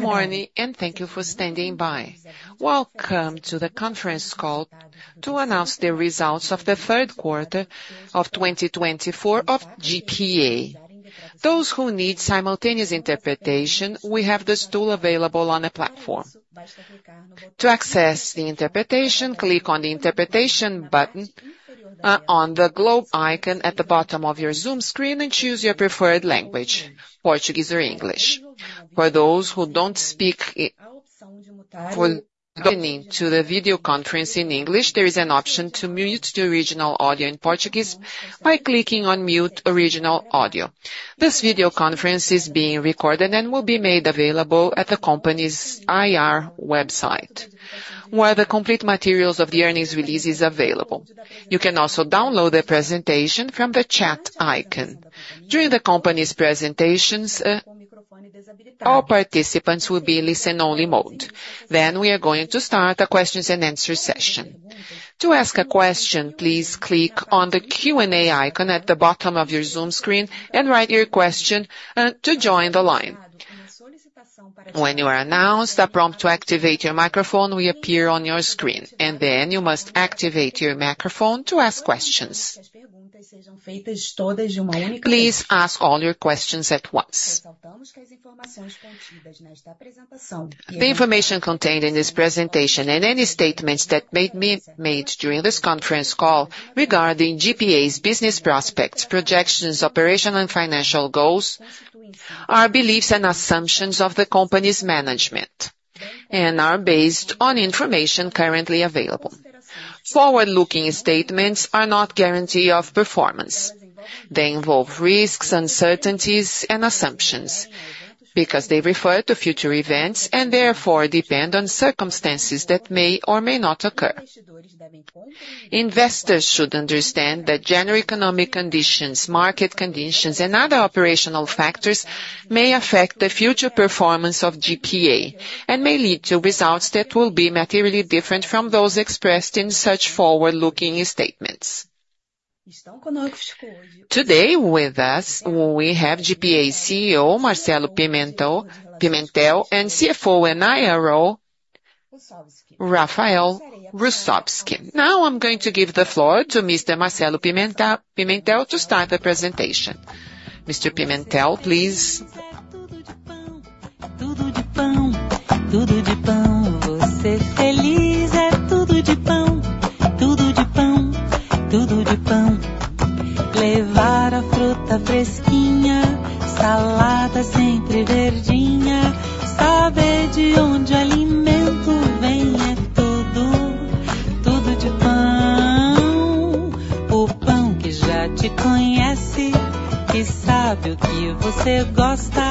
Good morning, and thank you for standing by. Welcome to the conference call to announce the results of the Q3 of 2024 of GPA. Those who need simultaneous interpretation, we have the tool available on the platform. To access the interpretation, click on the interpretation button on the globe icon at the bottom of your Zoom screen and choose your preferred language: Portuguese or English. For those who don't speak Portuguese or English, there is an option to mute the original audio in Portuguese by clicking on "Mute Original Audio." This video conference is being recorded and will be made available at the company's IR website, where the complete materials of the earnings release are available. You can also download the presentation from the chat icon. During the company's presentations, all participants will be in listen-only mode. Then we are going to start a questions and answers session. To ask a question, please click on the Q&A icon at the bottom of your Zoom screen and write your question to join the line. When you are announced, a prompt to activate your microphone will appear on your screen, and then you must activate your microphone to ask questions. Please ask all your questions at once. The information contained in this presentation and any statements that may be made during this conference call regarding GPA's business prospects, projections, operational, and financial goals are beliefs and assumptions of the company's management and are based on information currently available. Forward-looking statements are not a guarantee of performance. They involve risks, uncertainties, and assumptions because they refer to future events and therefore depend on circumstances that may or may not occur. Investors should understand that general economic conditions, market conditions, and other operational factors may affect the future performance of GPA and may lead to results that will be materially different from those expressed in such forward-looking statements. Today, with us, we have GPA CEO Marcelo Pimentel and CFO and IRO Rafael Russowsky. Now I'm going to give the floor to Mr. Marcelo Pimentel to start the presentation. Mr. Pimentel, please. Tudo de bom, tudo de bom, tudo de bom. Você feliz é tudo de bom, tudo de bom, tudo de bom. Levar a fruta fresquinha, salada sempre verdinha, saber de onde o alimento vem é tudo, tudo de bom. O Pão de Açúcar que já te conhece, que sabe o que você gosta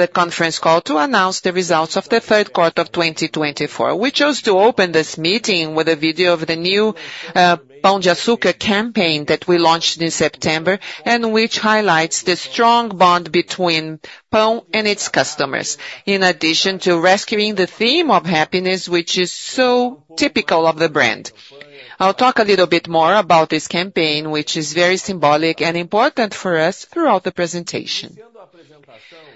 the conference call to announce the results of the Q3 of 2024. We chose to open this meeting with a video of the new Pão de Açúcar campaign that we launched in September, and which highlights the strong bond between Pão and its customers, in addition to rescuing the theme of happiness, which is so typical of the brand. I'll talk a little bit more about this campaign, which is very symbolic and important for us throughout the presentation.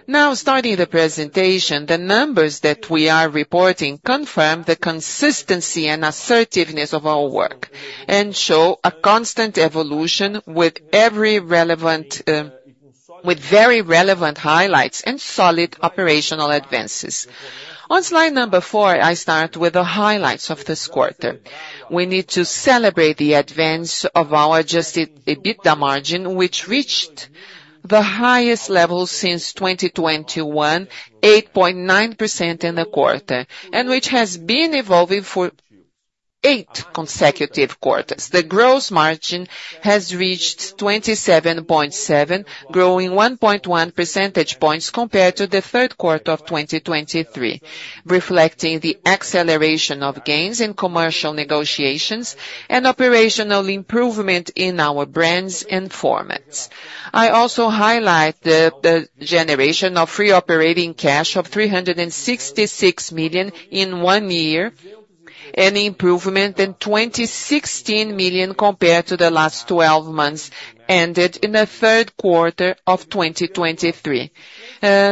Now, starting the presentation, the numbers that we are reporting confirm the consistency and assertiveness of our work and show a constant evolution with very relevant highlights and solid operational advances. On slide number 4, I start with the highlights of this quarter. We need to celebrate the advance of our adjusted EBITDA margin, which reached the highest level since 2021, 8.9% in the quarter, and which has been evolving for eight consecutive quarters. The gross margin has reached 27.7%, growing 1.1 percentage points compared to the Q3 of 2023, reflecting the acceleration of gains in commercial negotiations and operational improvement in our brands and formats. I also highlight the generation of free operating cash of $366 million in one year, an improvement of $216 million compared to the last 12 months ended in the Q3 of 2023,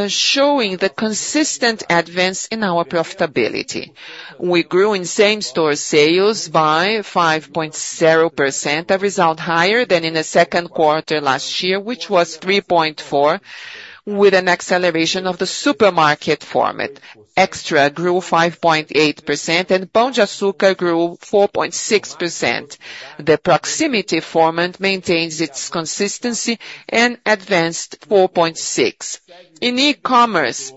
showing the consistent advance in our profitability. We grew in same-store sales by 5.0%, a result higher than in the Q2 last year, which was 3.4%, with an acceleration of the supermarket format. Extra grew 5.8%, and Pão de Açúcar grew 4.6%. The proximity format maintains its consistency and advanced 4.6%. In e-commerce,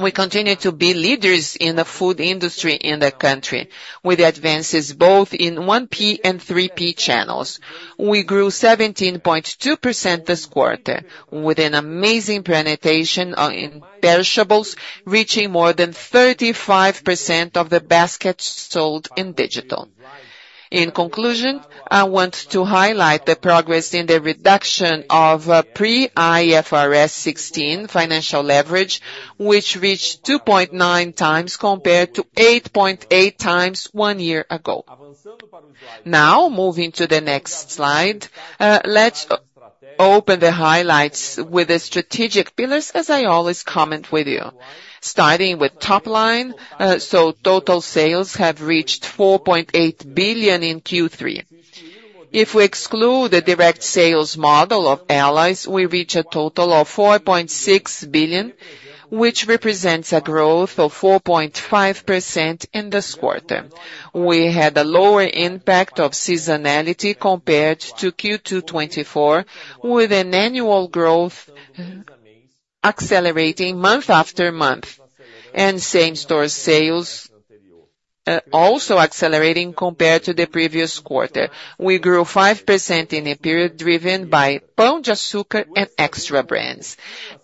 we continue to be leaders in the food industry in the country, with advances both in 1P and 3P channels. We grew 17.2% this quarter, with an amazing penetration in perishables, reaching more than 35% of the baskets sold in digital. In conclusion, I want to highlight the progress in the reduction of pre-IFRS 16 financial leverage, which reached 2.9 times compared to 8.8 times one year ago. Moving to the next slide, let's open the highlights with the strategic pillars, as I always comment with you. Starting with top line, total sales have reached $4.8 billion in Q3. If we exclude the direct sales model of Aliados, we reach a total of $4.6 billion, which represents a growth of 4.5% in this quarter. We had a lower impact of seasonality compared to Q2 2024, with an annual growth accelerating month after month, and same-store sales also accelerating compared to the previous quarter. We grew 5% in a period driven by Pão de Açúcar and Extra brands.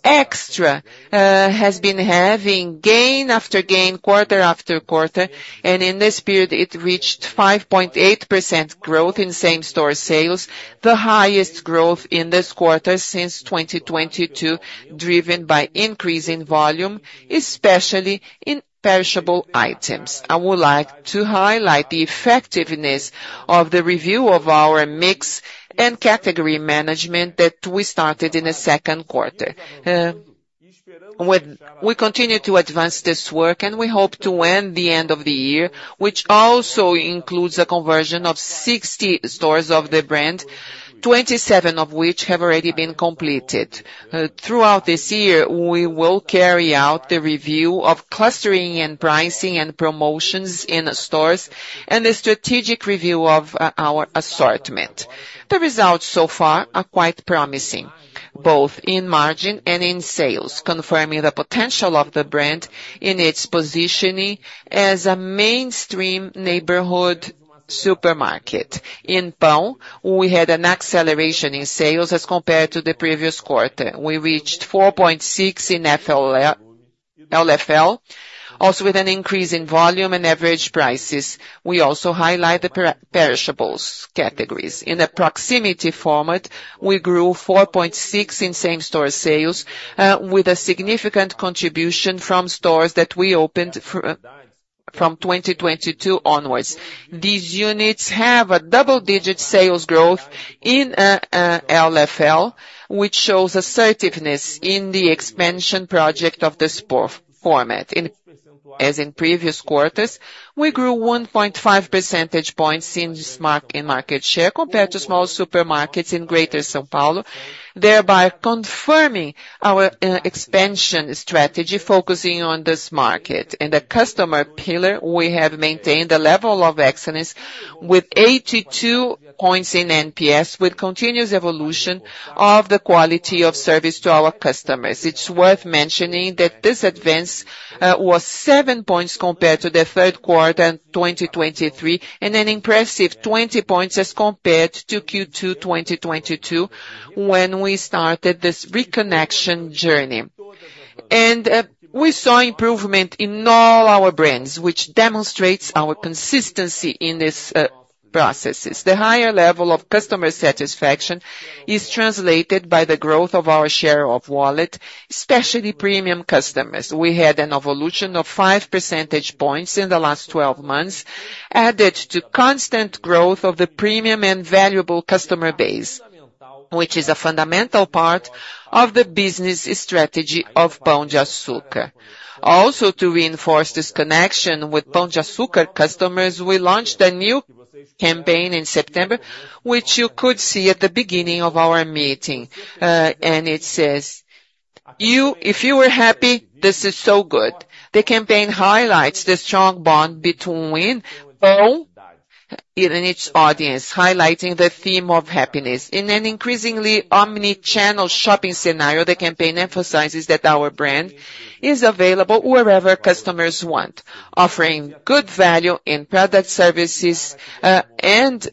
Extra has been having gain after gain, quarter after quarter, and in this period, it reached 5.8% growth in same-store sales, the highest growth in this quarter since 2022, driven by increase in volume, especially in perishable items. I would like to highlight the effectiveness of the review of our mix and category management that we started in the Q2. We continue to advance this work, and we hope to end the year, which also includes a conversion of 60 stores of the brand, 27 of which have already been completed. Throughout this year, we will carry out the review of clustering and pricing and promotions in stores and the strategic review of our assortment. The results so far are quite promising, both in margin and in sales, confirming the potential of the brand in its positioning as a mainstream neighborhood supermarket. In Pão, we had an acceleration in sales as compared to the previous quarter. We reached 4.6% in LFL, also with an increase in volume and average prices. We also highlight the perishables categories. In the proximity format, we grew 4.6% in same-store sales, with a significant contribution from stores that we opened from 2022 onwards. These units have a double-digit sales growth in LFL, which shows assertiveness in the expansion project of this format. As in previous quarters, we grew 1.5 percentage points in market share compared to small supermarkets in Greater São Paulo, thereby confirming our expansion strategy focusing on this market. In the customer pillar, we have maintained a level of excellence with 82 points in NPS, with continuous evolution of the quality of service to our customers. It's worth mentioning that this advance was 7 points compared to the Q3 of 2023, and an impressive 20 points as compared to Q2 2022 when we started this reconnection journey. We saw improvement in all our brands, which demonstrates our consistency in these processes. The higher level of customer satisfaction is translated by the growth of our share of wallet, especially premium customers. We had an evolution of 5% in the last 12 months, added to constant growth of the premium and valuable customer base, which is a fundamental part of the business strategy of Pão de Açúcar. Also, to reinforce this connection with Pão de Açúcar customers, we launched a new campaign in September, which you could see at the beginning of our meeting, and it says, "If you were happy, this is so good." The campaign highlights the strong bond between Pão and its audience, highlighting the theme of happiness. In an increasingly omnichannel shopping scenario, the campaign emphasizes that our brand is available wherever customers want, offering good value in product services and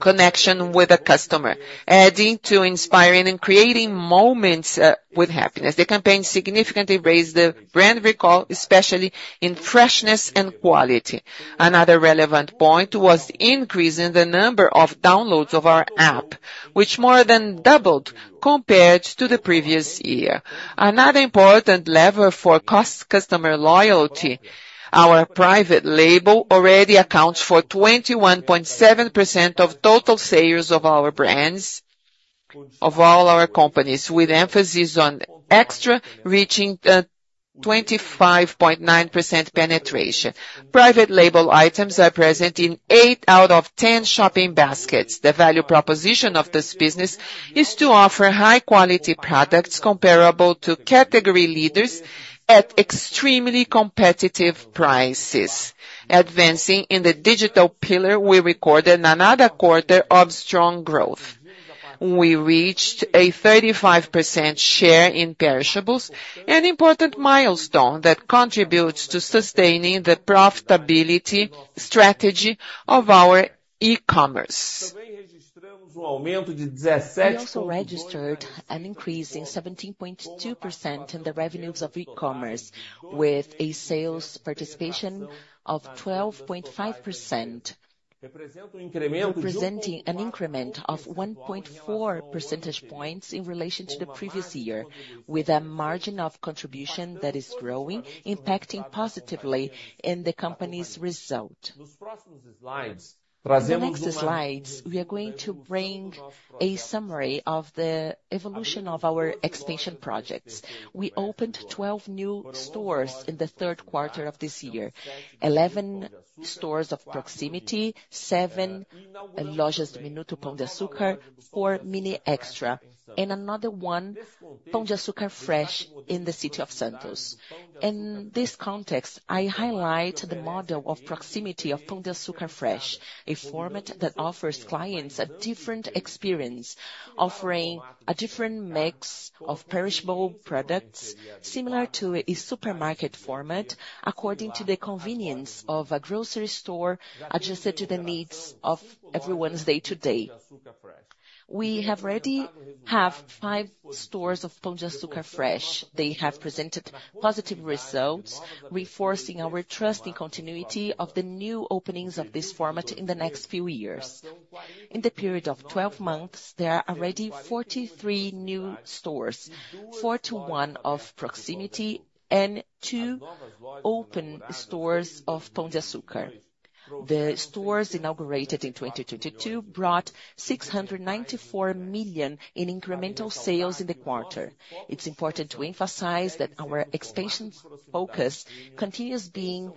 connection with the customer, adding to inspiring and creating moments with happiness. The campaign significantly raised the brand recall, especially in freshness and quality. Another relevant point was the increase in the number of downloads of our app, which more than doubled compared to the previous year. Another important lever for customer loyalty, our private label already accounts for 21.7% of total sales of our brands of all our companies, with emphasis on extra reaching 25.9% penetration. Private label items are present in 8 out of 10 shopping baskets. The value proposition of this business is to offer high-quality products comparable to category leaders at extremely competitive prices. Advancing in the digital pillar, we recorded another quarter of strong growth. We reached a 35% share in perishables, an important milestone that contributes to sustaining the profitability strategy of our e-commerce. We also registered an increase of 17.2% in the revenues of e-commerce, with a sales participation of 12.5%, representing an increment of 1.4 percentage points in relation to the previous year, with a margin of contribution that is growing, impacting positively in the company's result. In the next slides, we are going to bring a summary of the evolution of our expansion projects. We opened 12 new stores in the Q3 of this year, 11 stores of proximity, 7 stores of Minuto Pão de Açúcar, 4 Mini Extra, and another one, Pão de Açúcar Fresh, in the city of Santos. In this context, I highlight the model of proximity of Pão de Açúcar Fresh, a format that offers clients a different experience, offering a different mix of perishable products, similar to a supermarket format, according to the convenience of a grocery store adjusted to the needs of everyone's day-to-day. We already have five stores of Pão de Açúcar Fresh. They have presented positive results, reinforcing our trust in continuity of the new openings of this format in the next few years. In the period of 12 months, there are already 43 new stores, 41 of proximity and 2 open stores of Pão de Açúcar. The stores inaugurated in 2022 brought $694 million in incremental sales in the quarter. It's important to emphasize that our expansion focus continues being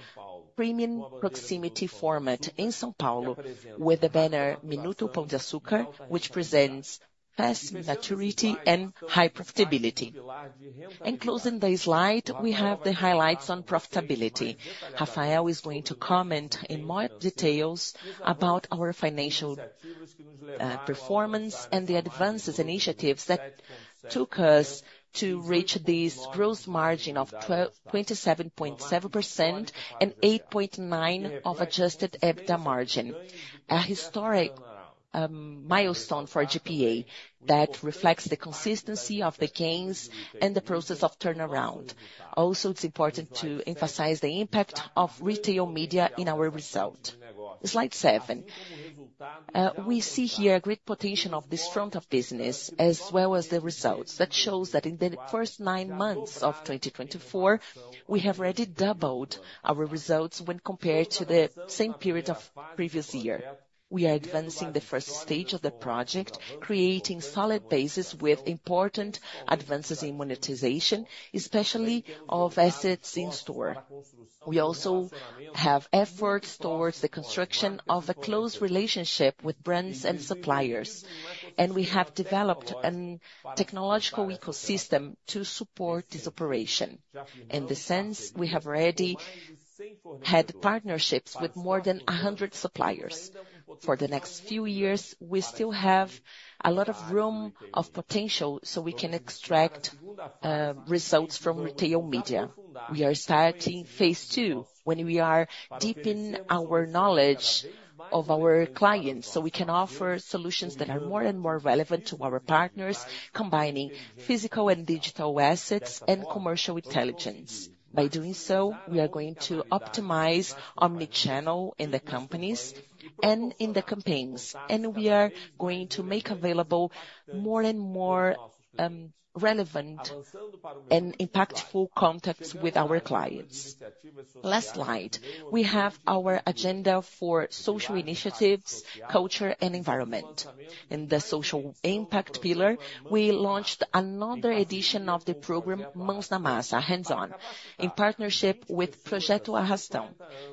premium proximity format in São Paulo, with the banner Minuto Pão de Açúcar, which presents fast maturity and high profitability. Closing the slide, we have the highlights on profitability. Rafael is going to comment in more detail about our financial performance and the advanced initiatives that took us to reach this gross margin of 27.7% and 8.9% of adjusted EBITDA margin, a historic milestone for GPA that reflects the consistency of the gains and the process of turnaround. Also, it's important to emphasize the impact of retail media in our result. Slide 7. We see here a great potential of this front of business, as well as the results, that show that in the first nine months of 2024, we have already doubled our results when compared to the same period of the previous year. We are advancing the first stage of the project, creating solid bases with important advances in monetization, especially of assets in store. We also have efforts towards the construction of a close relationship with brands and suppliers, and we have developed a technological ecosystem to support this operation. In this sense, we have already had partnerships with more than 100 suppliers. For the next few years, we still have a lot of room of potential so we can extract results from retail media. We are starting phase 2 when we are deepening our knowledge of our clients so we can offer solutions that are more and more relevant to our partners, combining physical and digital assets and commercial intelligence. By doing so, we are going to optimize omnichannel in the companies and in the campaigns, and we are going to make available more and more relevant and impactful contacts with our clients. Last slide, we have our agenda for social initiatives, culture, and environment. In the social impact pillar, we launched another edition of the program Mãos na Massa, Hands-On, in partnership with Projeto Arrastão,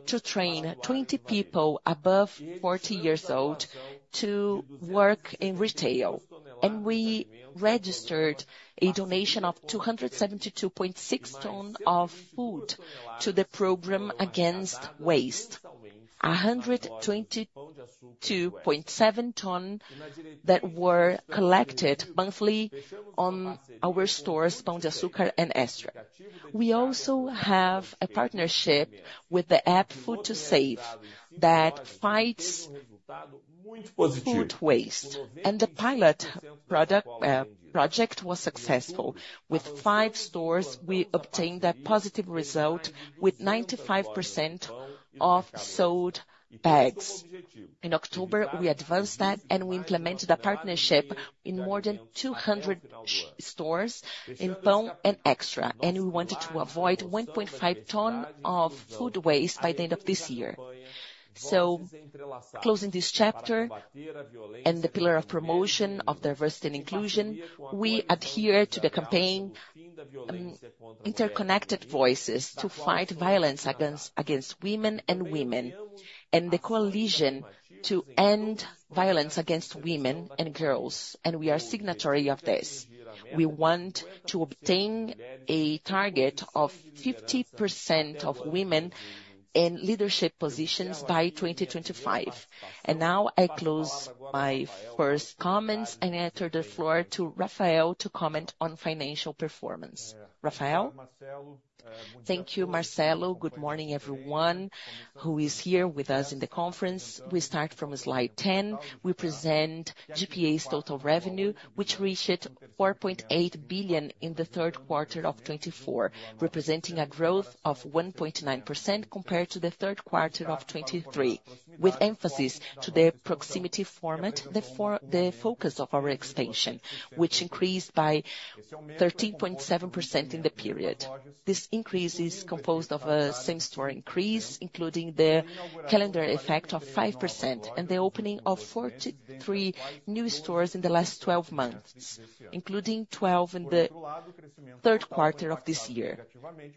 to train 20 people above 40 years old to work in retail. We registered a donation of 272.6 tons of food to the program against waste, 122.7 tons that were collected monthly on our stores, Pão de Açúcar and Extra. We also have a partnership with the app Food to Save that fights food waste. The pilot project was successful. With five stores, we obtained a positive result with 95% of sold bags. In October, we advanced that and we implemented a partnership in more than 200 stores in Pão and Extra, and we wanted to avoid 1.5 tons of food waste by the end of this year. Closing this chapter and the pillar of promotion of diversity and inclusion, we adhere to the campaign Interconnected Voices to fight violence against women, and the coalition to end violence against women and girls. We are signatory of this. We want to obtain a target of 50% of women in leadership positions by 2025. Now I close my first comments and I turn the floor to Rafael to comment on financial performance. Rafael? Thank you, Marcelo. Good morning, everyone who is here with us in the conference. We start from slide 10. We present GPA's total revenue, which reached $4.8 billion in the Q3 of 2024, representing a growth of 1.9% compared to the Q3 of 2023, with emphasis to the proximity format, the focus of our expansion, which increased by 13.7% in the period. This increase is composed of a same-store increase, including the calendar effect of 5%, and the opening of 43 new stores in the last 12 months, including 12 in the Q3 of this year.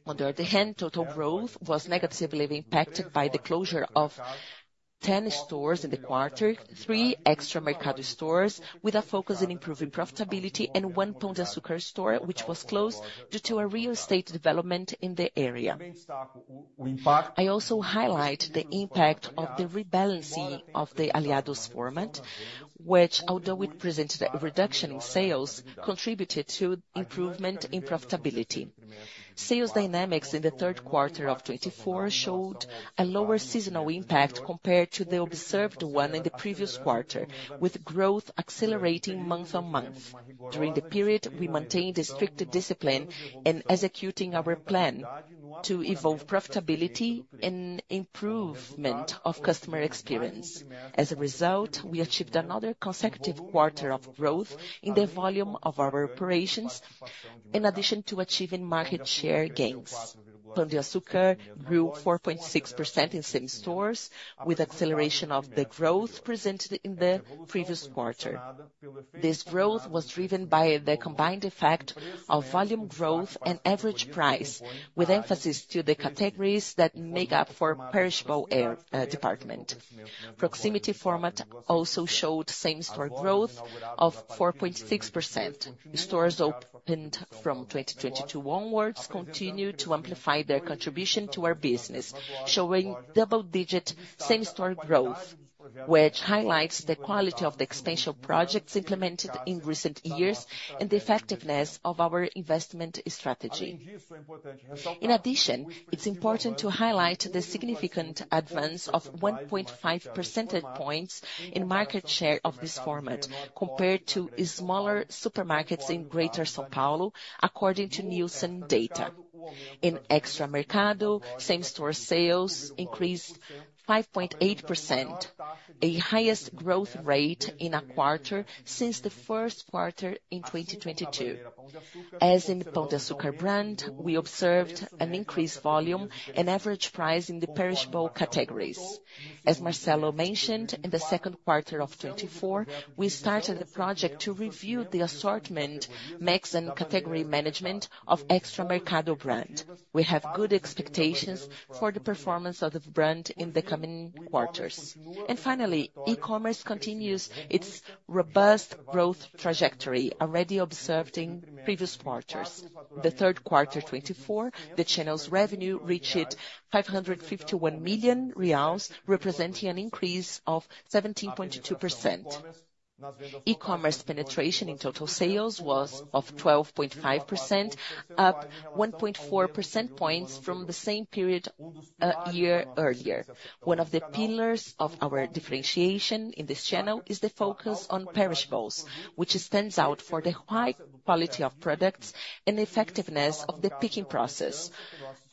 On the other hand, total growth was negatively impacted by the closure of 10 stores in the quarter, three Extra Mercado stores, with a focus on improving profitability, and one Pão de Açúcar store, which was closed due to a real estate development in the area. I also highlight the impact of the rebalancing of the Aliados format, which, although it presented a reduction in sales, contributed to improvement in profitability. Sales dynamics in the Q3 of 2024 showed a lower seasonal impact compared to the observed one in the previous quarter, with growth accelerating month on month. During the period, we maintained strict discipline in executing our plan to evolve profitability and improvement of customer experience. As a result, we achieved another consecutive quarter of growth in the volume of our operations, in addition to achieving market share gains. Pão de Açúcar grew 4.6% in same stores, with acceleration of the growth presented in the previous quarter. This growth was driven by the combined effect of volume growth and average price, with emphasis to the categories that make up for perishable department. Proximity format also showed same-store growth of 4.6%. Stores opened from 2022 onwards continue to amplify their contribution to our business, showing double-digit same-store growth, which highlights the quality of the expansion projects implemented in recent years and the effectiveness of our investment strategy. In addition, it's important to highlight the significant advance of 1.5 percentage points in market share of this format, compared to smaller supermarkets in greater São Paulo, according to Nielsen data. In Extra Mercado, same-store sales increased 5.8%, the highest growth rate in a quarter since the Q1 in 2022. As in the Pão de Açúcar brand, we observed an increased volume and average price in the perishable categories. As Marcelo mentioned, in the Q2 of 2024, we started the project to review the assortment, mix, and category management of Extra Mercado brand. We have good expectations for the performance of the brand in the coming quarters. Finally, e-commerce continues its robust growth trajectory, already observed in previous quarters. In the Q3 2024, the channel's revenue reached R$551 million, representing an increase of 17.2%. E-commerce penetration in total sales was 12.5%, up 1.4 percentage points from the same period a year earlier. One of the pillars of our differentiation in this channel is the focus on perishables, which stands out for the high quality of products and effectiveness of the picking process,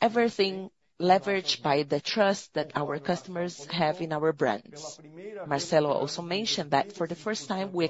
everything leveraged by the trust that our customers have in our brands. Marcelo also mentioned that for the first time, we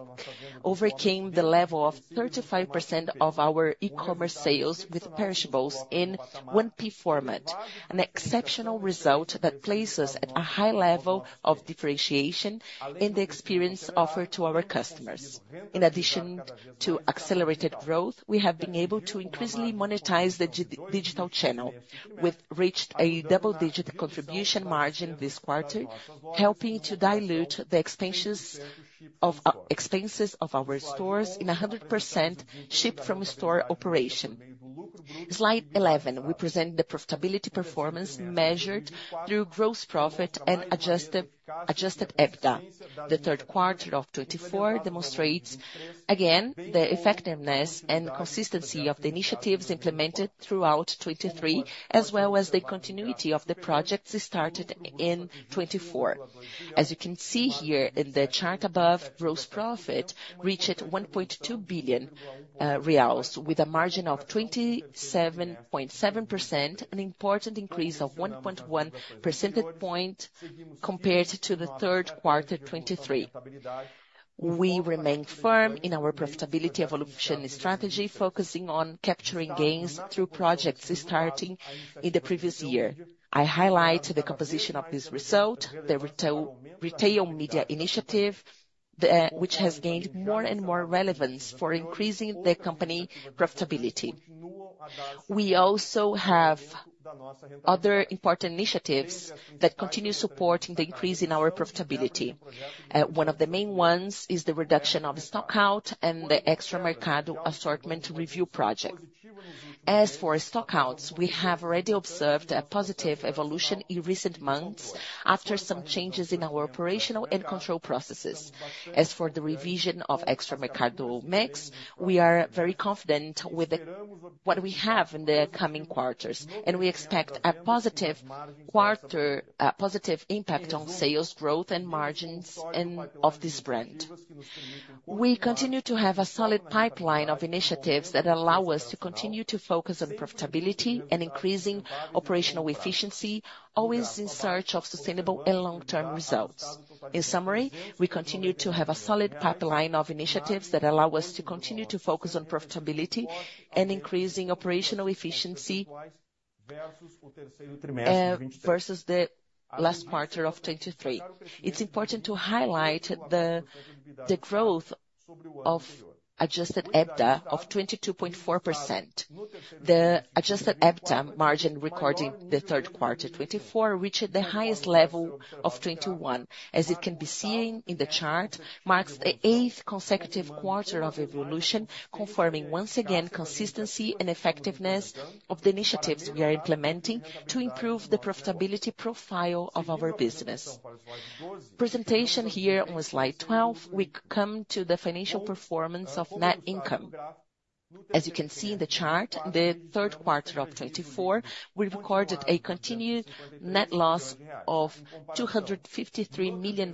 overcame the level of 35% of our e-commerce sales with perishables in 1P format, an exceptional result that places us at a high level of differentiation in the experience offered to our customers. In addition to accelerated growth, we have been able to increasingly monetize the digital channel, which reached a double-digit contribution margin this quarter, helping to dilute the expenses of our stores in a 100% ship-from-store operation. Slide 11. We present the profitability performance measured through gross profit and adjusted EBITDA. The Q3 of 2024 demonstrates again the effectiveness and consistency of the initiatives implemented throughout 2023, as well as the continuity of the projects started in 2024. As you can see here in the chart above, gross profit reached R$1.2 billion, with a margin of 27.7%, an important increase of 1.1 percentage points compared to the Q3 2023. We remain firm in our profitability evolution strategy, focusing on capturing gains through projects starting in the previous year. I highlight the composition of this result, the retail media initiative, which has gained more and more relevance for increasing the company profitability. We also have other important initiatives that continue supporting the increase in our profitability. One of the main ones is the reduction of stockout and the Extra Mercado assortment review project. As for stockouts, we have already observed a positive evolution in recent months after some changes in our operational and control processes. As for the revision of Extra Mercado mix, we are very confident with what we have in the coming quarters, and we expect a positive impact on sales growth and margins of this brand. We continue to have a solid pipeline of initiatives that allow us to continue to focus on profitability and increasing operational efficiency, always in search of sustainable and long-term results. In summary, we continue to have a solid pipeline of initiatives that allow us to continue to focus on profitability and increasing operational efficiency versus the last quarter of 2023. It's important to highlight the growth of adjusted EBITDA of 22.4%.The adjusted EBITDA margin recorded in the Q3 2024 reached the highest level of 21%, as you can see in the chart, marking the eighth consecutive quarter of evolution, confirming once again the consistency and effectiveness of the initiatives we are implementing to improve the profitability profile of our business. Moving to slide 12, we come to the financial performance of net income. As you can see in the chart, in the Q3 of 2024, we recorded a continued net loss of R$253 million.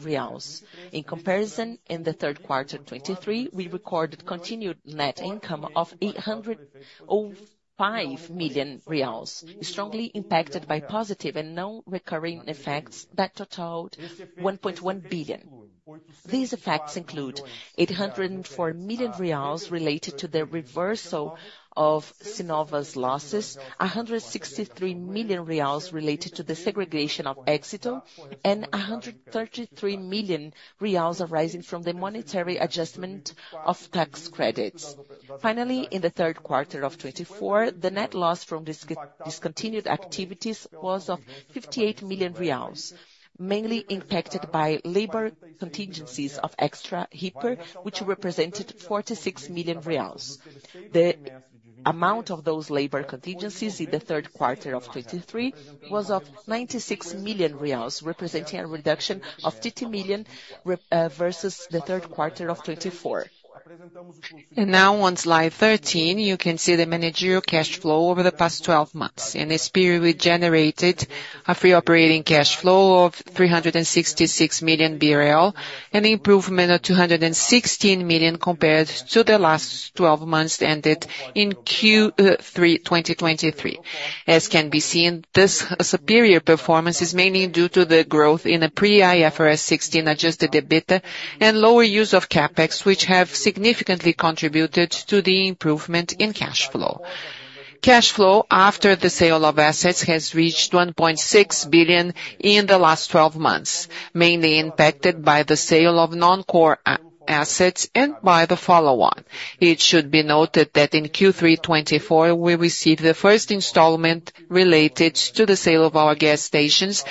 In comparison, in the Q3 2023, we recorded continued net income of R$805 million, strongly impacted by positive and non-recurring effects that totaled R$1.1 billion. These effects include R$804 million related to the reversal of Cnova's losses, R$163 million related to the segregation of Éxito, and R$133 million arising from the monetary adjustment of tax credits. Finally, in the Q3 of 2024, the net loss from discontinued activities was R$58 million, mainly impacted by labor contingencies of Extra Hiper, which represented R$46 million. The amount of those labor contingencies in the Q3 of 2023 was R$96 million, representing a reduction of R$30 million versus the Q3 of 2024. Now, on slide 13, you can see the managerial cash flow over the past 12 months. In this period, we generated a free operating cash flow of R$366 million and an improvement of R$216 million compared to the last 12 months ended in Q3 2023. As can be seen, this superior performance is mainly due to the growth in the pre-IFRS 16 adjusted EBITDA and lower use of CapEx, which have significantly contributed to the improvement in cash flow. Cash flow after the sale of assets has reached $1.6 billion in the last 12 months, mainly impacted by the sale of non-core assets and by the follow-on. It should be noted that in Q3 2024, we received the first installment related to the sale of our gas stations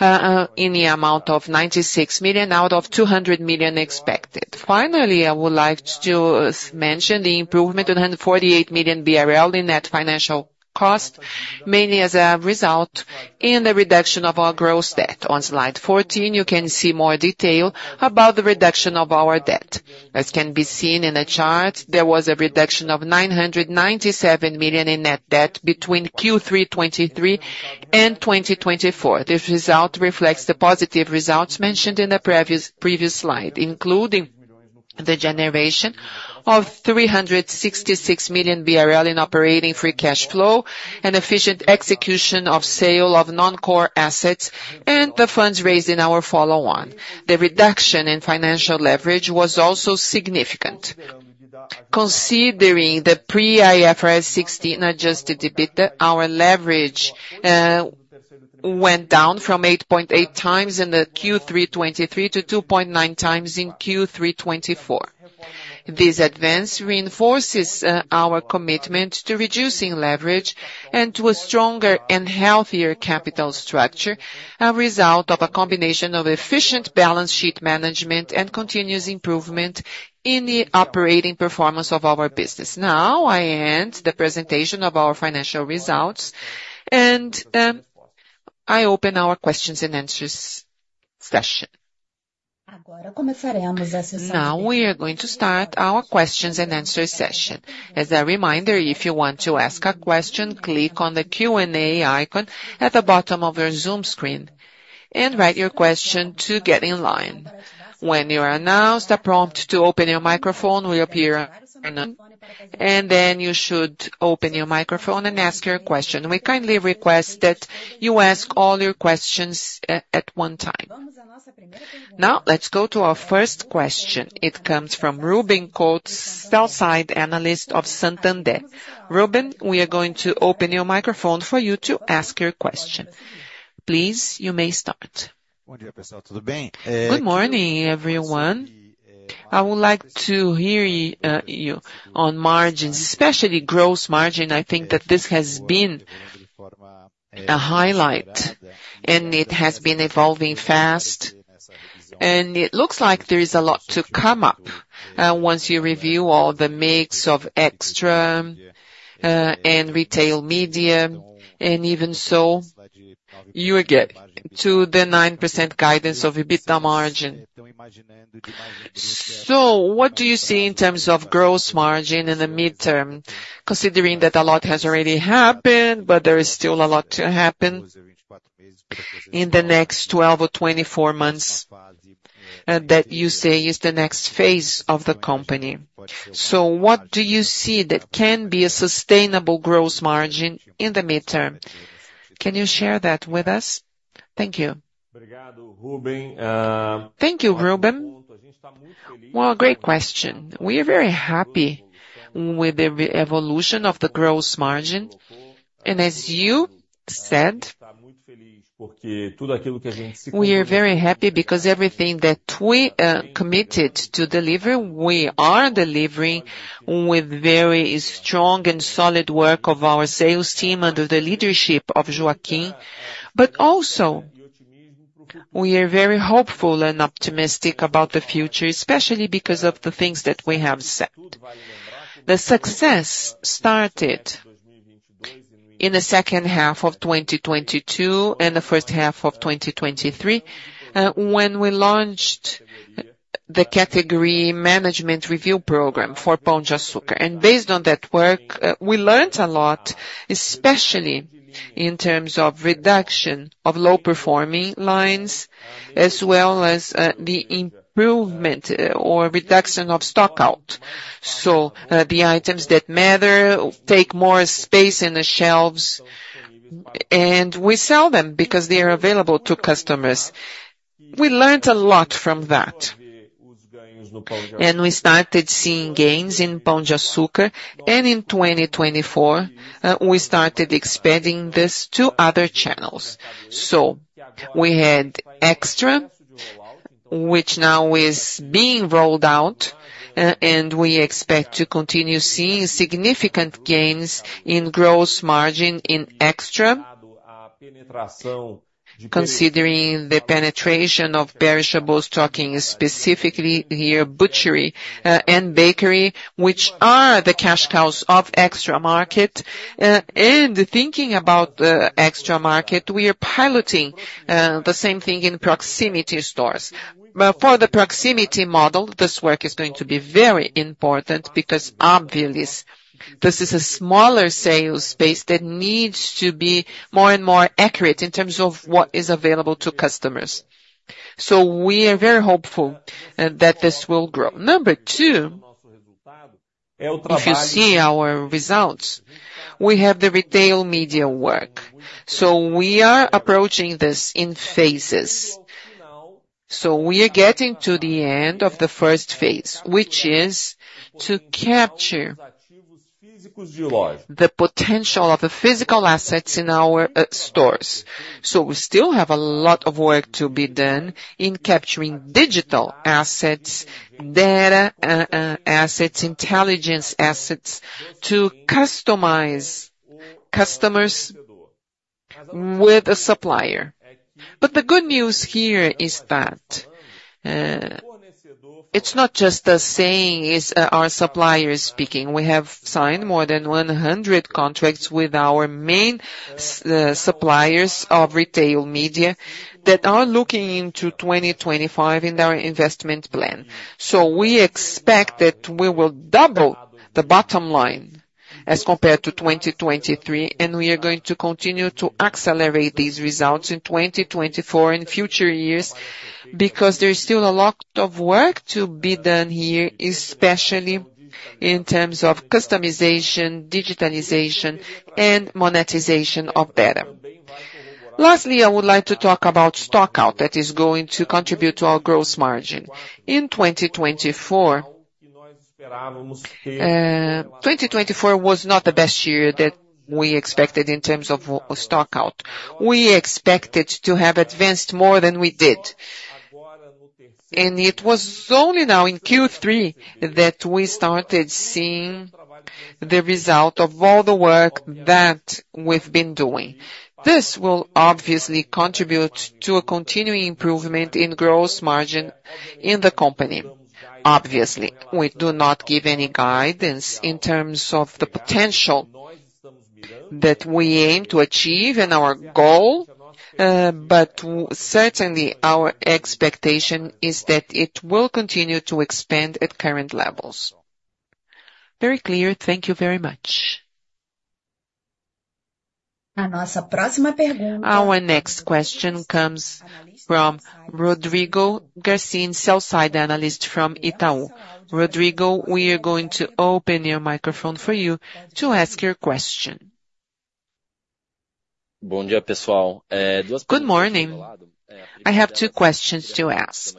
in the amount of $96 million out of $200 million expected. Finally, I would like to mention the improvement of 148 million BRL in net financial cost, mainly as a result in the reduction of our gross debt. On slide 14, you can see more detail about the reduction of our debt. As can be seen in the chart, there was a reduction of $997 million in net debt between Q3 2023 and 2024. This result reflects the positive results mentioned in the previous slide, including the generation of 366 million BRL in operating free cash flow, an efficient execution of sale of non-core assets, and the funds raised in our follow-on. The reduction in financial leverage was also significant. Considering the pre-IFRS 16 adjusted EBITDA, our leverage went down from 8.8 times in Q3 2023 to 2.9 times in Q3 2024. This advance reinforces our commitment to reducing leverage and to a stronger and healthier capital structure, a result of a combination of efficient balance sheet management and continuous improvement in the operating performance of our business. I end the presentation of our financial results, and I open our questions and answers session. We are going to start our questions-and-answers session. As a reminder, if you want to ask a question, click on the Q&A icon at the bottom of your Zoom screen and write your question to get in line. When you are announced, a prompt to open your microphone will appear, and then you should open your microphone and ask your question. We kindly request that you ask all your questions at one time. Now, let's go to our first question. It comes from Ruben Couto, sell-side analyst of Santander. Ruben, we are going to open your microphone for you to ask your question. Please, you may start. Good morning, everyone. I would like to hear you on margins, especially gross margin. I think that this has been a highlight, and it has been evolving fast. It looks like there is a lot to come up once you review all the mix of extra and retail media. Even so, you get to the 9% guidance of EBITDA margin. So what do you see in terms of gross margin in the midterm, considering that a lot has already happened, but there is still a lot to happen in the next 12 or 24 months that you say is the next phase of the company? What do you see that can be a sustainable gross margin in the midterm? Can you share that with us? Thank you. Thank you, Ruben. Great question. We are very happy with the evolution of the gross margin. As you said, we are very happy because everything that we committed to deliver, we are delivering with very strong and solid work of our sales team under the leadership of Joaquim. We are very hopeful and optimistic about the future, especially because of the things that we have set. The success started in the second half of 2022 and the first half of 2023 when we launched the category management review program for Pão de Açúcar. Based on that work, we learned a lot, especially in terms of reduction of low-performing lines, as well as the improvement or reduction of stockout. The items that matter take more space in the shelves, and we sell them because they are available to customers. We learned a lot from that, and we started seeing gains in Pão de Açúcar. In 2024, we started expanding this to other channels. We had Extra, which now is being rolled out, and we expect to continue seeing significant gains in gross margin in Extra, considering the penetration of perishables stocking, specifically here, butchery and bakery, which are the cash cows of Extra market. Thinking about the extra market, we are piloting the same thing in proximity stores. But for the proximity model, this work is going to be very important because, obviously, this is a smaller sales space that needs to be more and more accurate in terms of what is available to customers. We are very hopeful that this will grow. Number two, if you see our results, we have the retail media work. We are approaching this in phases. We are getting to the end of the first phase, which is to capture the potential of the physical assets in our stores. We still have a lot of work to be done in capturing digital assets, data assets, intelligence assets to customize customers with a supplier. But the good news here is that it's not just us saying; it's our suppliers speaking. We have signed more than 100 contracts with our main suppliers of retail media that are looking into 2025 in their investment plan. So we expect that we will double the bottom line as compared to 2023, and we are going to continue to accelerate these results in 2024 and future years because there is still a lot of work to be done here, especially in terms of customization, digitalization, and monetization of data. Lastly, I would like to talk about stockout that is going to contribute to our gross margin. In 2024, 2024 was not the best year that we expected in terms of stockout. We expected to have advanced more than we did. It was only now in Q3 that we started seeing the result of all the work that we've been doing. This will obviously contribute to a continuing improvement in gross margin in the company. Obviously, we do not give any guidance in terms of the potential that we aim to achieve and our goal, but certainly our expectation is that it will continue to expand at current levels. Very clear. Thank you very much. Our next question comes from Rodrigo Garçon, sell-side analyst from Itaú. Rodrigo, we are going to open your microphone for you to ask your question. Good morning. I have two questions to ask.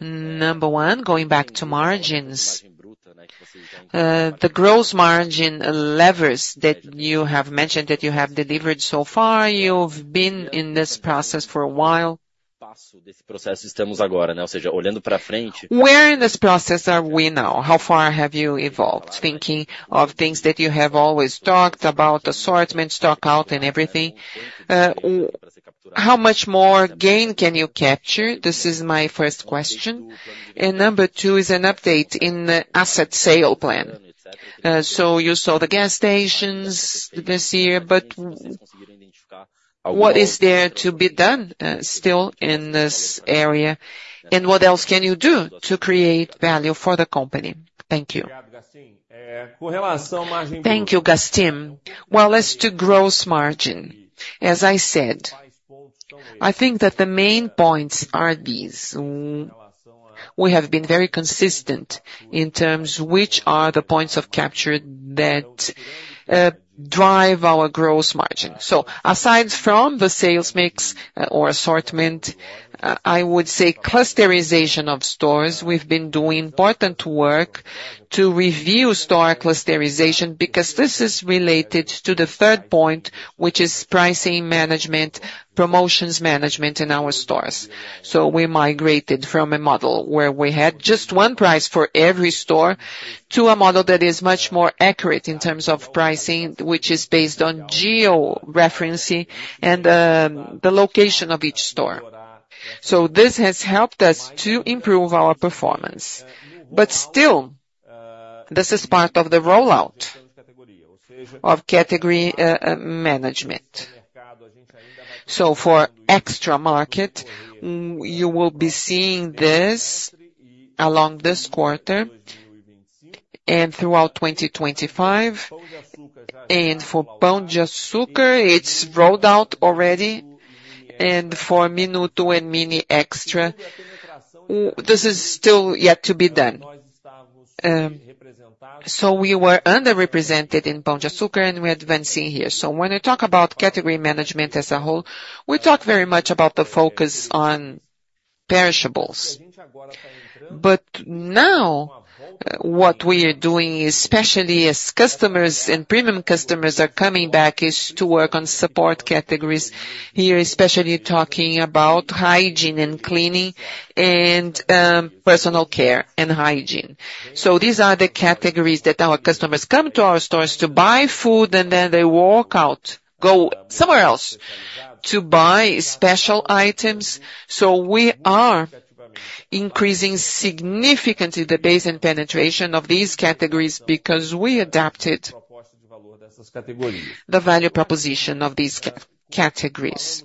Number one, going back to margins, the gross margin levers that you have mentioned that you have delivered so far, you've been in this process for a while. Where are we in this process now? How far have you evolved? Thinking of things that you have always talked about, assortment, stockout, and everything. How much more gain can you capture? This is my first question. Number two is an update on the asset sale plan. You sold the gas stations this year, but what is there to be done still in this area? What else can you do to create value for the company? Thank you. Thank you, Garçon. As to gross margin, as I said, I think that the main points are these. We have been very consistent in terms of which are the points of capture that drive our gross margin. Aside from the sales mix or assortment, I would say clusterization of stores, we've been doing important work to review store clusterization because this is related to the third point, which is pricing management, promotions management in our stores. We migrated from a model where we had just one price for every store to a model that is much more accurate in terms of pricing, which is based on geo-referencing and the location of each store. This has helped us to improve our performance. But still, this is part of the rollout of category management. For extra market, you will be seeing this along this quarter and throughout 2025. And for Pão de Açúcar, it's rolled out already. And for Minuto and Mini Extra, this is still yet to be done. We were underrepresented in Pão de Açúcar, and we are advancing here. When I talk about category management as a whole, we talk very much about the focus on perishables. But now what we are doing, especially as customers and premium customers are coming back, is to work on support categories here, especially talking about hygiene and cleaning and personal care and hygiene. These are the categories that our customers come to our stores to buy food, and then they walk out, go somewhere else to buy special items. We are increasing significantly the base and penetration of these categories because we adapted the value proposition of these categories.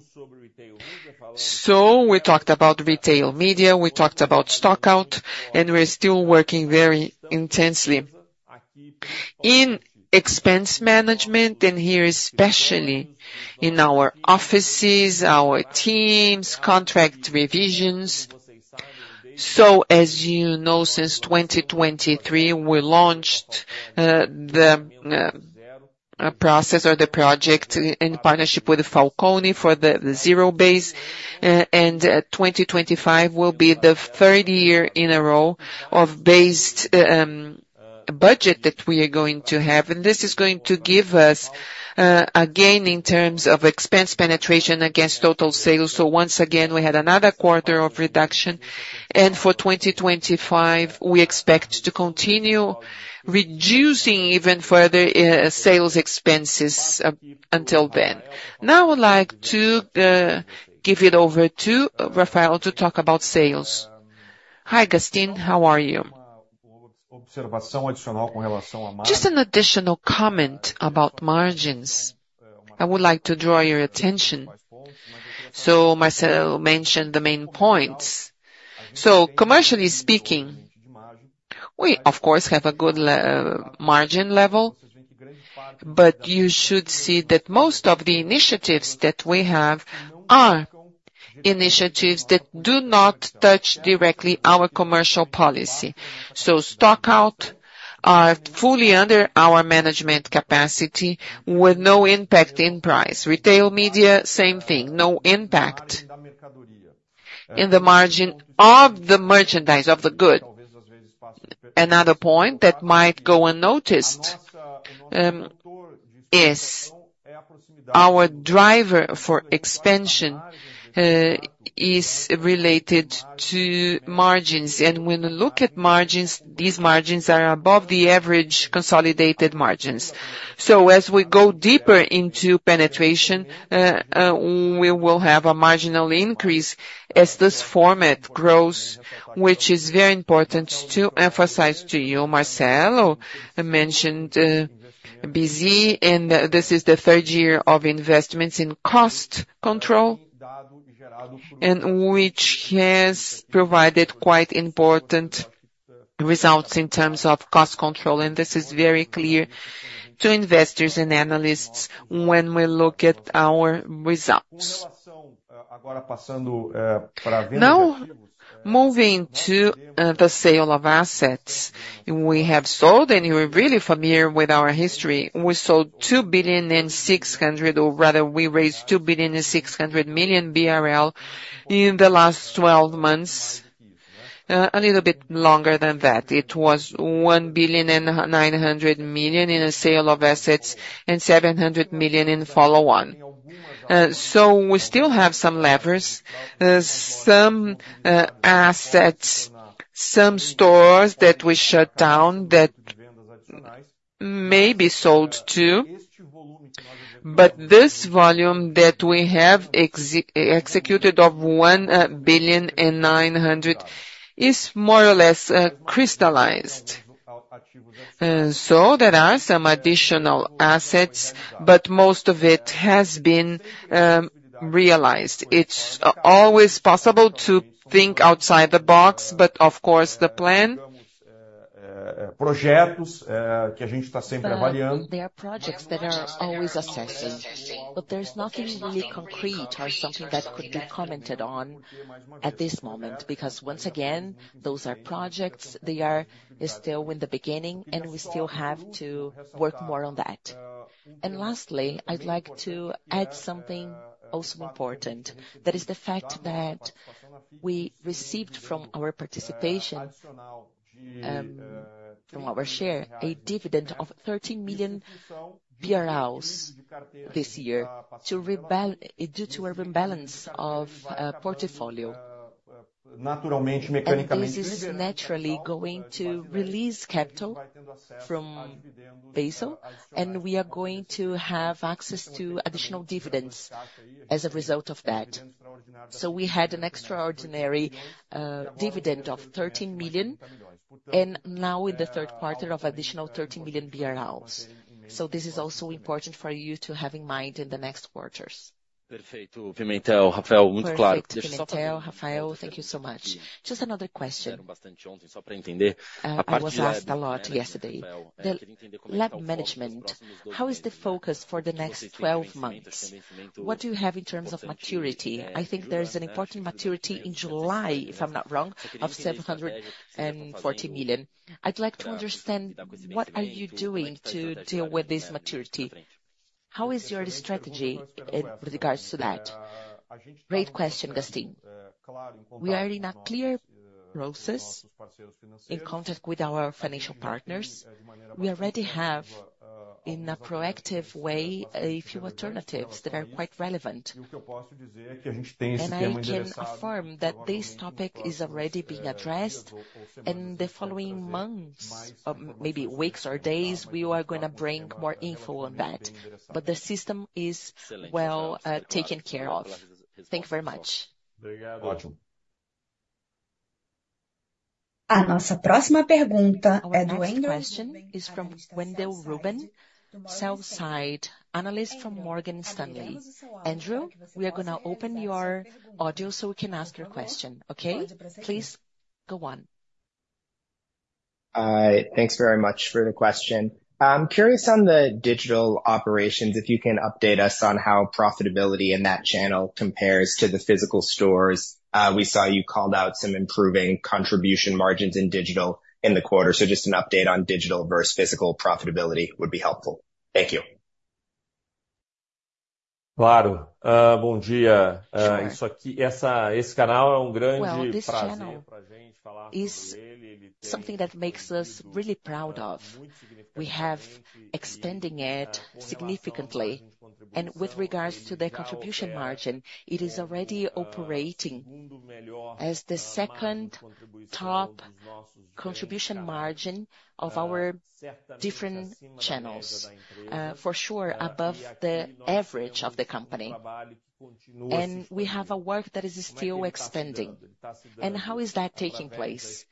We talked about retail media, we talked about stockout, and we're still working very intensely in expense management, and here especially in our offices, our teams, contract revisions. As you know, since 2023, we launched the process or the project in partnership with Falconi for the zero base. 2025 will be the third year in a row of based budget that we are going to have. This is going to give us a gain in terms of expense penetration against total sales. Once again, we had another quarter of reduction. For 2025, we expect to continue reducing even further sales expenses until then. Now I'd like to give it over to Rafael to talk about sales. Hi, Garcez, Marcelo mentioned OBZ, and this is the third year of investments in cost control, which has provided quite important results in terms of cost control. This is very clear to investors and analysts when we look at our results. Moving to the sale of assets, we have sold, and you're really familiar with our history. We sold 2.6 billion, or rather, we raised 2.6 billion in the last 12 months, a little bit longer than that. It was 1.9 billion in a sale of assets and 700 million in follow-on. We still have some levers, some assets, some stores that we shut down that may be sold too. This volume that we have executed of 1.9 billion is more or less crystallized. There are some additional assets, but most of it has been realized. It's always possible to think outside the box, but of course, the plan that we are always assessing. But there's nothing really concrete or something that could be commented on at this moment because, once again, those are projects. They are still in the beginning, and we still have to work more on that. And lastly, I'd like to add something also important that is the fact that we received from our participation, from our share, a dividend of R$13 million this year due to a rebalance of portfolio. This is naturally going to release capital from Basel, and we are going to have access to additional dividends as a result of that. So we had an extraordinary dividend of R$13 million, and now in the Q3, of additional R$13 million. So this is also important for you to have in mind in the next quarters. Perfect. Rafael, thank you so much. Just another question. I was asked a lot yesterday. Liability management, how is the focus for the next 12 months? What do you have in terms of maturity? I think there's an important maturity in July, if I'm not wrong, of $740 million. I'd like to understand what are you doing to deal with this maturity? How is your strategy in regards to that? Great question, Gastin. We are in a clear process in contact with our financial partners. We already have, in a proactive way, a few alternatives that are quite relevant. I can affirm that this topic is already being addressed, and in the following months, maybe weeks or days, we are going to bring more info on that. But the system is well taken care of. Thank you very much. A nossa próxima pergunta é do Andrew. Our next question is from Andrew Ruben, sell-side analyst from Morgan Stanley. Andrew, we are going to open your audio so we can ask your question. Okay? Please go on. Thanks very much for the question. I'm curious on the digital operations, if you can update us on how profitability in that channel compares to the physical stores. We saw you called out some improving contribution margins in digital in the quarter. So just an update on digital versus physical profitability would be helpful. Thank you. Claro. Bom dia. This channel is something that makes us really proud. We have expanded it significantly. And with regards to the contribution margin, it is already operating as the second top contribution margin of our different channels, for sure, above the average of the company. And we have a work that is still expanding. And how is that taking place?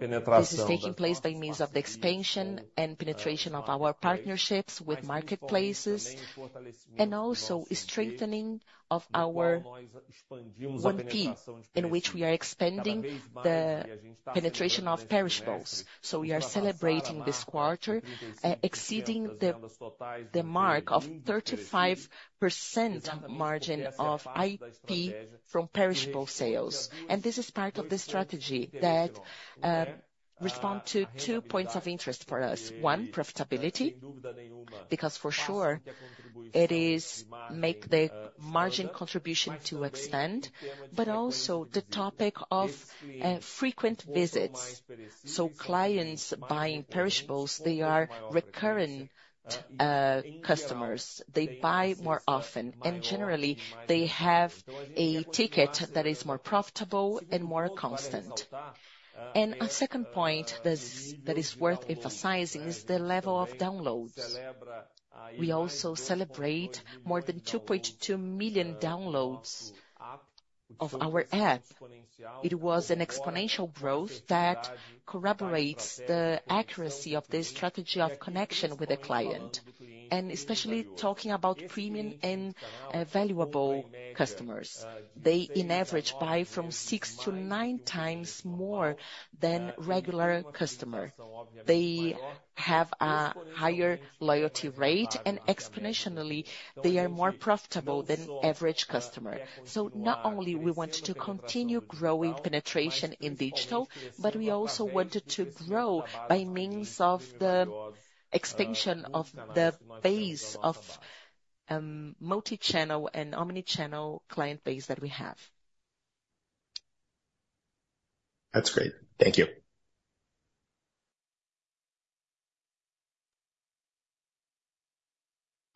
This is taking place by means of the expansion and penetration of our partnerships with marketplaces and also strengthening of our 1P, in which we are expanding the penetration of perishables. We are celebrating this quarter, exceeding the mark of 35% margin of 1P from perishable sales. This is part of the strategy that responds to two points of interest for us. One, profitability, because for sure, it is making the margin contribution to expand, but also the topic of frequent visits. Clients buying perishables, they are recurrent customers. They buy more often. Generally, they have a ticket that is more profitable and more constant. A second point that is worth emphasizing is the level of downloads. We also celebrate more than 2.2 million downloads of our app. It was an exponential growth that corroborates the accuracy of the strategy of connection with the client. And especially talking about premium and valuable customers, they in average buy from six to nine times more than regular customers. They have a higher loyalty rate, and exponentially, they are more profitable than average customers. So not only do we want to continue growing penetration in digital, but we also wanted to grow by means of the expansion of the base of multi-channel and omni-channel client base that we have. That's great. Thank you.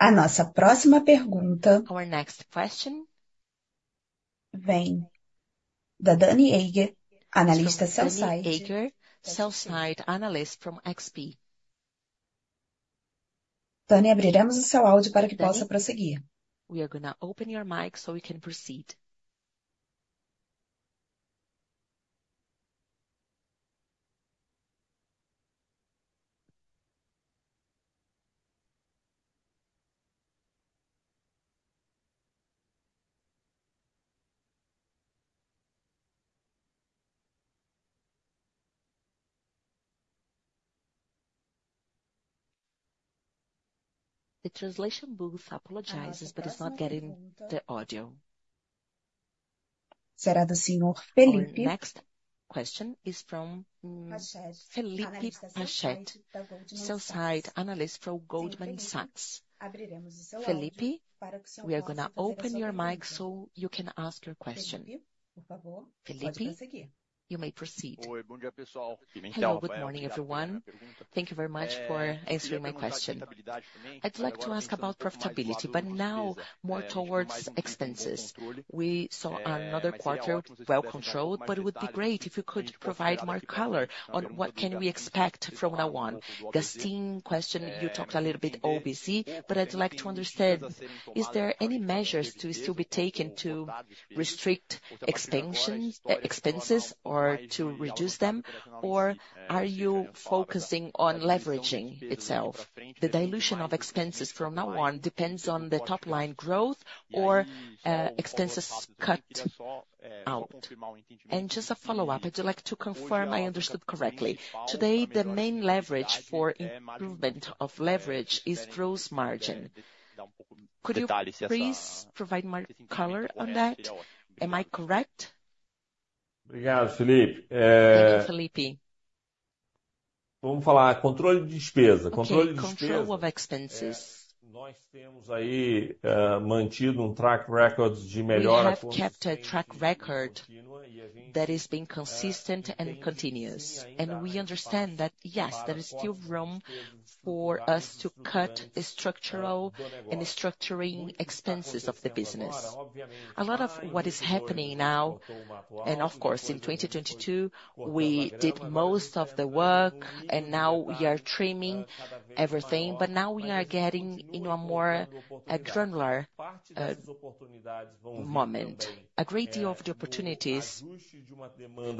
A nossa próxima pergunta. Our next question vem da Dani Eiger, analista sell-side. Dani Eiger, sell-side analyst from XP. Dani, abriremos o seu áudio para que possa prosseguir. We are going to open your mic so we can proceed. The translation booth apologizes, but it's not getting the audio. Será do senhor Felipe. Our next question is from Felipe Rached, sell-side analyst for Goldman Sachs. Felipe, we are going to open your mic so you can ask your question. Felipe, you may proceed. Hello, good morning, everyone. Thank you very much for answering my question. I'd like to ask about profitability, but now more towards expenses. We saw another quarter well controlled, but it would be great if you could provide more color on what we can expect from now on. Just in question, you talked a little bit about OPEX, but I'd like to understand, are there any measures to still be taken to restrict expenses or to reduce them, or are you focusing on leveraging itself? The dilution of expenses from now on depends on the top-line growth or expenses cut out. Just a follow-up, I'd like to confirm I understood correctly. Today, the main leverage for improvement of leverage is gross margin. Could you please provide more color on that? Am I correct? Thank you, Felipe. Vamos falar controle de despesa. Controle de despesa. Control of expenses. Nós temos aí mantido track record de melhora. We have kept a track record that has been consistent and continuous. We understand that, yes, there is still room for us to cut structural and structuring expenses of the business. A lot of what is happening now, and of course, in 2022, we did most of the work, and now we are trimming everything. Now we are getting into a more adrenal moment. A great deal of the opportunities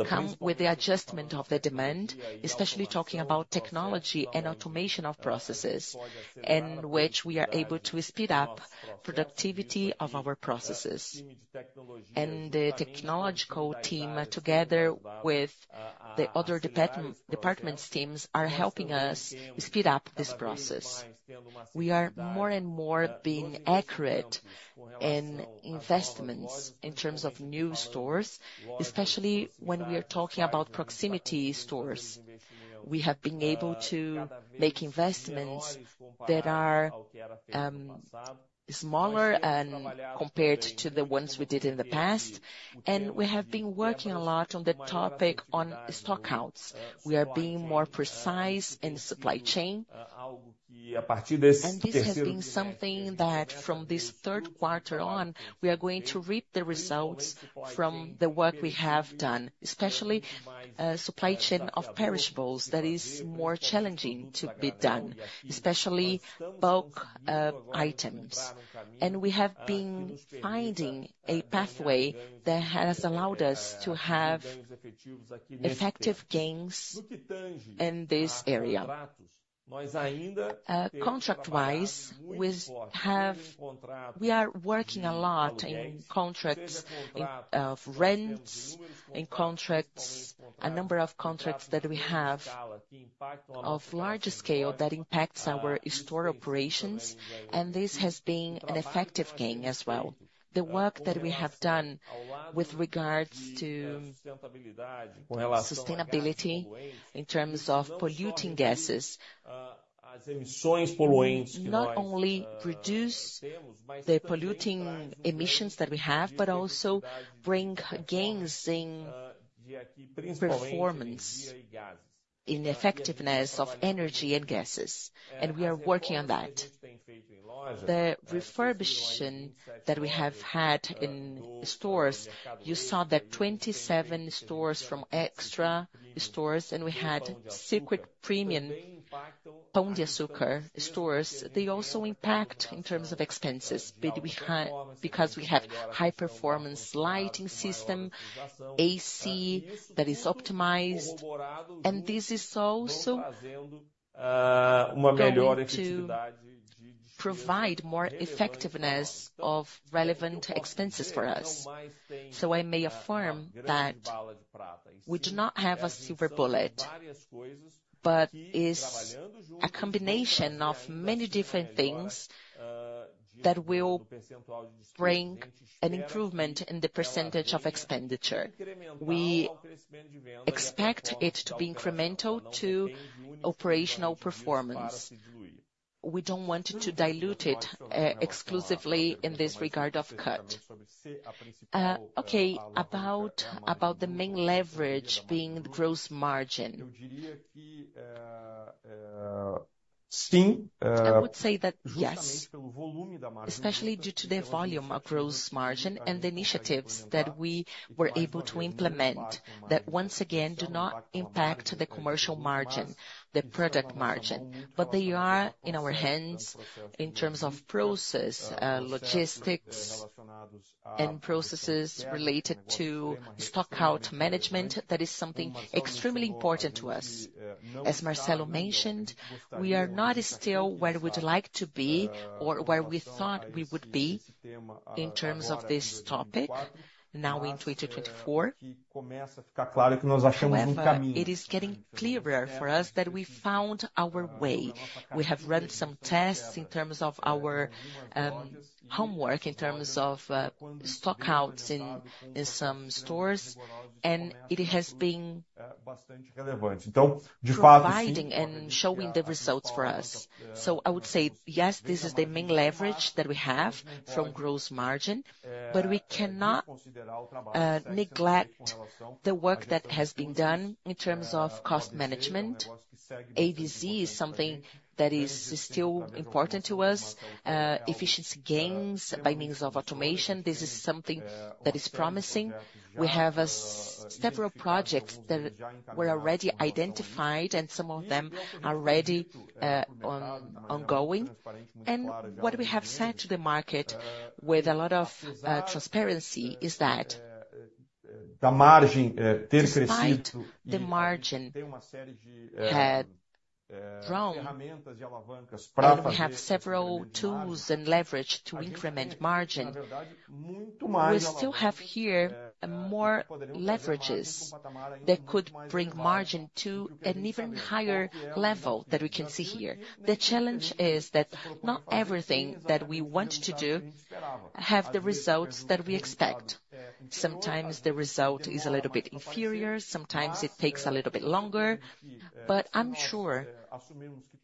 comes with the adjustment of the demand, especially talking about technology and automation of processes, in which we are able to speed up the productivity of our processes. The technological team, together with the other department teams, are helping us speed up this process. We are more and more being accurate in investments in terms of new stores, especially when we are talking about proximity stores. We have been able to make investments that are smaller compared to the ones we did in the past. We have been working a lot on the topic on stockouts. We are being more precise in the supply chain. This has been something that, from this Q3 on, we are going to reap the results from the work we have done, especially the supply chain of perishables that is more challenging to be done, especially bulk items. We have been finding a pathway that has allowed us to have effective gains in this area. Contract-wise, we are working a lot in contracts of rents, in contracts, a number of contracts that we have of large scale that impacts our store operations. This has been an effective gain as well. The work that we have done with regards to sustainability in terms of polluting gases not only reduces the polluting emissions that we have, but also brings gains in performance, in effectiveness of energy and gases. We are working on that. The refurbishing that we have had in stores, you saw that 27 stores from extra stores, and we had select premium Pão de Açúcar stores. They also impact in terms of expenses because we have a high-performance lighting system, AC that is optimized. This is also to provide more effectiveness of relevant expenses for us. I may affirm that we do not have a silver bullet, but it's a combination of many different things that will bring an improvement in the percentage of expenditure. We expect it to be incremental to operational performance. We don't want to dilute it exclusively in this regard of cut. About the main leverage being the gross margin, I would say that yes, especially due to the volume of gross margin and the initiatives that we were able to implement that, once again, do not impact the commercial margin, the product margin. But they are in our hands in terms of process, logistics, and processes related to stockout management. That is something extremely important to us. As Marcelo mentioned, we are not still where we'd like to be or where we thought we would be in terms of this topic now in 2024. It is getting clearer for us that we found our way. We have run some tests in terms of our homework, in terms of stockouts in some stores, and it has been providing and showing the results for us. I would say, yes, this is the main leverage that we have from gross margin, but we cannot neglect the work that has been done in terms of cost management. OBZ is something that is still important to us. Efficiency gains by means of automation, this is something that is promising. We have several projects that were already identified, and some of them are already ongoing. What we have said to the market with a lot of transparency is that we have several tools and leverage to increment margin. We still have here more leverages that could bring margin to an even higher level that we can see here. The challenge is that not everything that we want to do has the results that we expect. Sometimes the result is a little bit inferior. Sometimes it takes a little bit longer. But I'm sure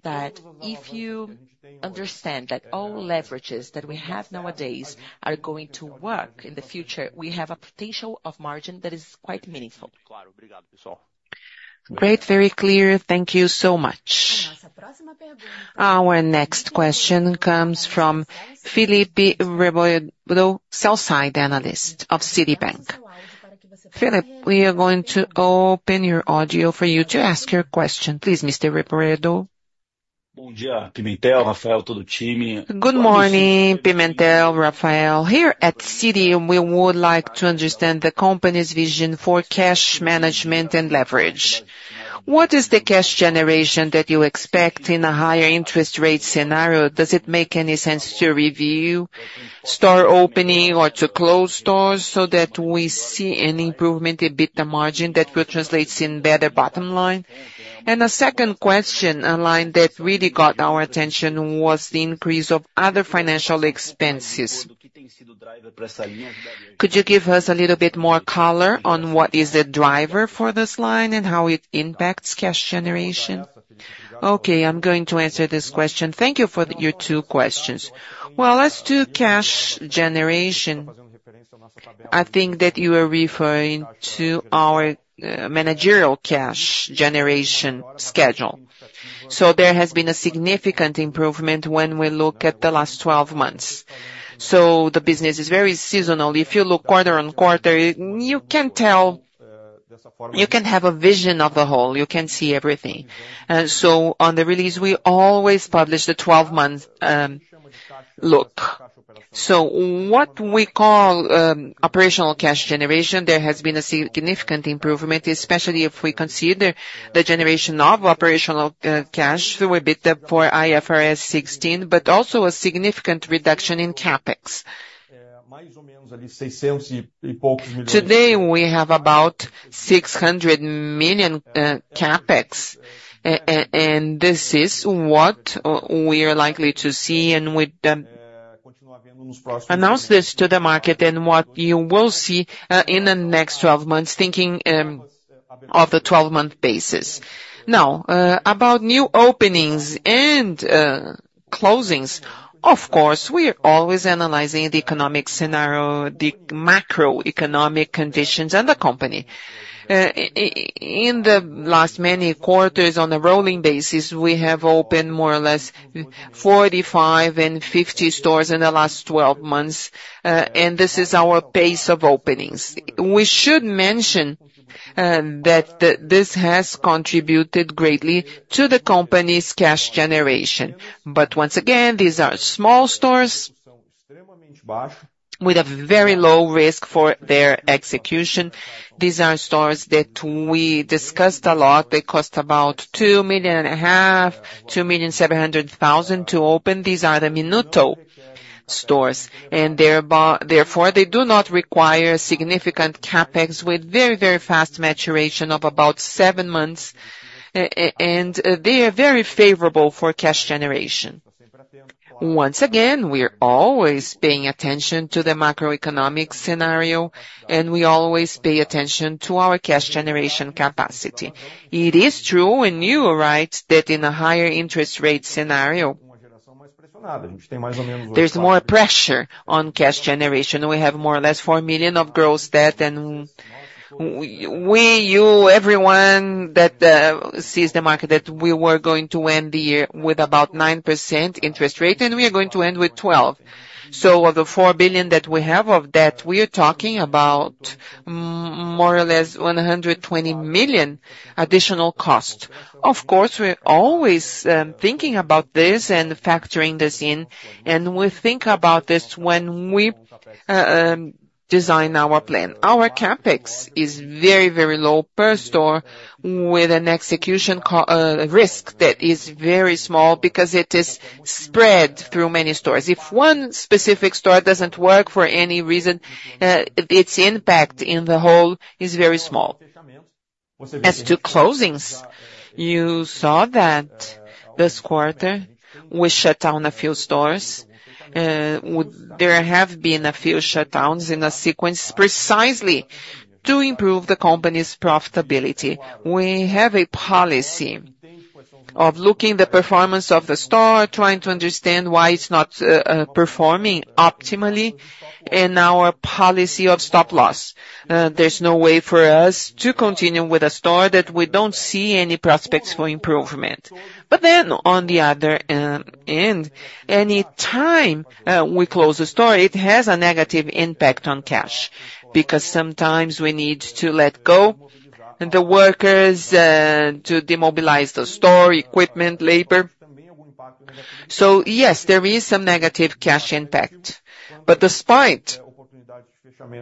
that if you understand that all leverages that we have nowadays are going to work in the future, we have a potential of margin that is quite meaningful. Great, very clear. Thank you so much. Our next question comes from Felipe Rebello, sell-side analyst of Citibank. Felipe, we are going to open your audio for you to ask your question. Please, Mr. Rebello. Good morning, Pimentel, Rafael, to the team. Good morning, Pimentel, Rafael. Here at Citi, we would like to understand the company's vision for cash management and leverage. What is the cash generation that you expect in a higher interest rate scenario? Does it make any sense to review store opening or to close stores so that we see an improvement in EBITDA margin that will translate in better bottom line? A second question, a line that really got our attention, was the increase of other financial expenses. Could you give us a little bit more color on what is the driver for this line and how it impacts cash generation? I'm going to answer this question. Thank you for your two questions. As to cash generation, I think that you are referring to our managerial cash generation schedule. There has been a significant improvement when we look at the last 12 months. The business is very seasonal. If you look quarter-on-quarter, you can tell; you can have a vision of the whole. You can see everything. On the release, we always publish the 12-month look. What we call operational cash generation has seen significant improvement, especially if we consider the generation of operational cash through EBITDA IFRS 16, but also a significant reduction in CapEx. Today, we have about $600 million CapEx, and this is what we are likely to see and would announce this to the market and what you will see in the next 12 months, thinking of the 12-month basis. Now, about new openings and closings, of course, we are always analyzing the economic scenario, the macroeconomic conditions and the company. In the last many quarters, on a rolling basis, we have opened more or less 45 and 50 stores in the last 12 months, and this is our pace of openings. We should mention that this has contributed greatly to the company's cash generation. But once again, these are small stores with a very low risk for their execution. These are stores that we discussed a lot. They cost about $2.5 million, $2.7 million to open. These are the Minuto stores. And therefore, they do not require significant CapEx with very, very fast maturation of about 7 months, and they are very favorable for cash generation. Once again, we are always paying attention to the macroeconomic scenario, and we always pay attention to our cash generation capacity. It is true, and you are right, that in a higher interest rate scenario, there's more pressure on cash generation. We have more or less $4 million of gross debt, and we, you, everyone that sees the market that we were going to end the year with about 9% interest rate, and we are going to end with 12%. Of the $4 billion that we have of debt, we are talking about more or less $120 million additional cost. Of course, we're always thinking about this and factoring this in, and we think about this when we design our plan. Our CapEx is very low per store with an execution risk that is very small because it is spread through many stores. If one specific store doesn't work for any reason, its impact in the whole is very small. As to closings, you saw that this quarter we shut down a few stores. There have been a few shutdowns in a sequence precisely to improve the company's profitability. We have a policy of looking at the performance of the store, trying to understand why it's not performing optimally, and our policy of stop loss. There's no way for us to continue with a store that we don't see any prospects for improvement. But then, on the other end, any time we close a store, it has a negative impact on cash because sometimes we need to let go of the workers to demobilize the store, equipment, labor. So yes, there is some negative cash impact. But despite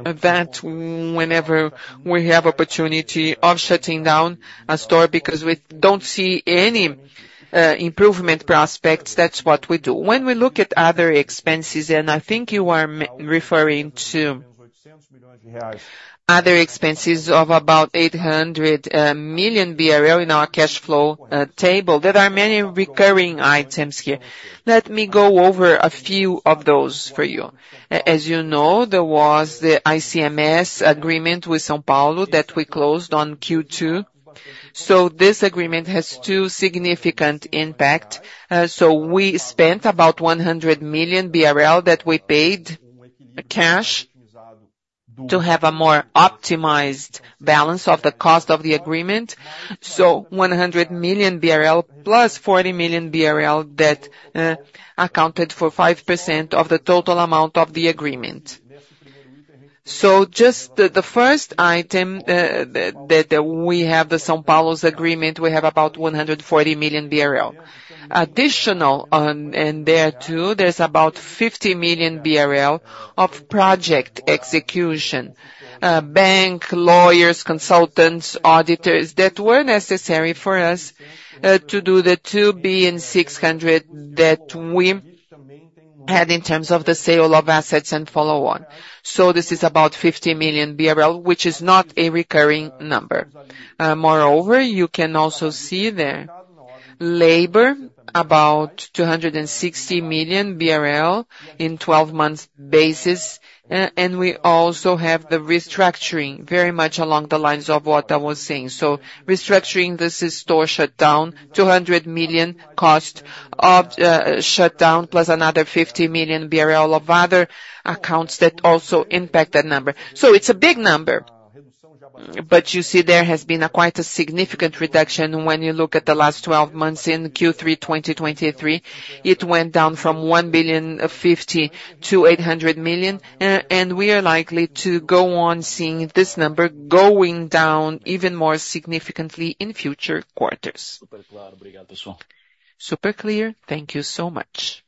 that, whenever we have the opportunity of shutting down a store because we don't see any improvement prospects, that's what we do. When we look at other expenses, and I think you are referring to other expenses of about R$800 million in our cash flow table, there are many recurring items here. Let me go over a few of those for you. As you know, there was the ICMS agreement with São Paulo that we closed on Q2. So this agreement has two significant impacts. We spent about R$100 million that we paid cash to have a more optimized balance of the cost of the agreement. R$100 million plus R$40 million that accounted for 5% of the total amount of the agreement. Just the first item that we have the São Paulo agreement, we have about R$140 million. Additionally, in there too, there's about R$50 million of project execution, bank, lawyers, consultants, auditors that were necessary for us to do the 2,600 that we had in terms of the sale of assets and follow-on. This is about R$50 million, which is not a recurring number. Moreover, you can also see there labor, about R$260 million in a 12-month basis. We also have the restructuring very much along the lines of what I was saying. Restructuring, this is store shutdown, $200 million cost of shutdown plus another $50 million BRL of other accounts that also impact that number. It's a big number. But you see there has been quite a significant reduction when you look at the last 12 months in Q3 2023. It went down from $1.05 billion to $800 million. We are likely to go on seeing this number going down even more significantly in future quarters. Super clear. Thank you so much.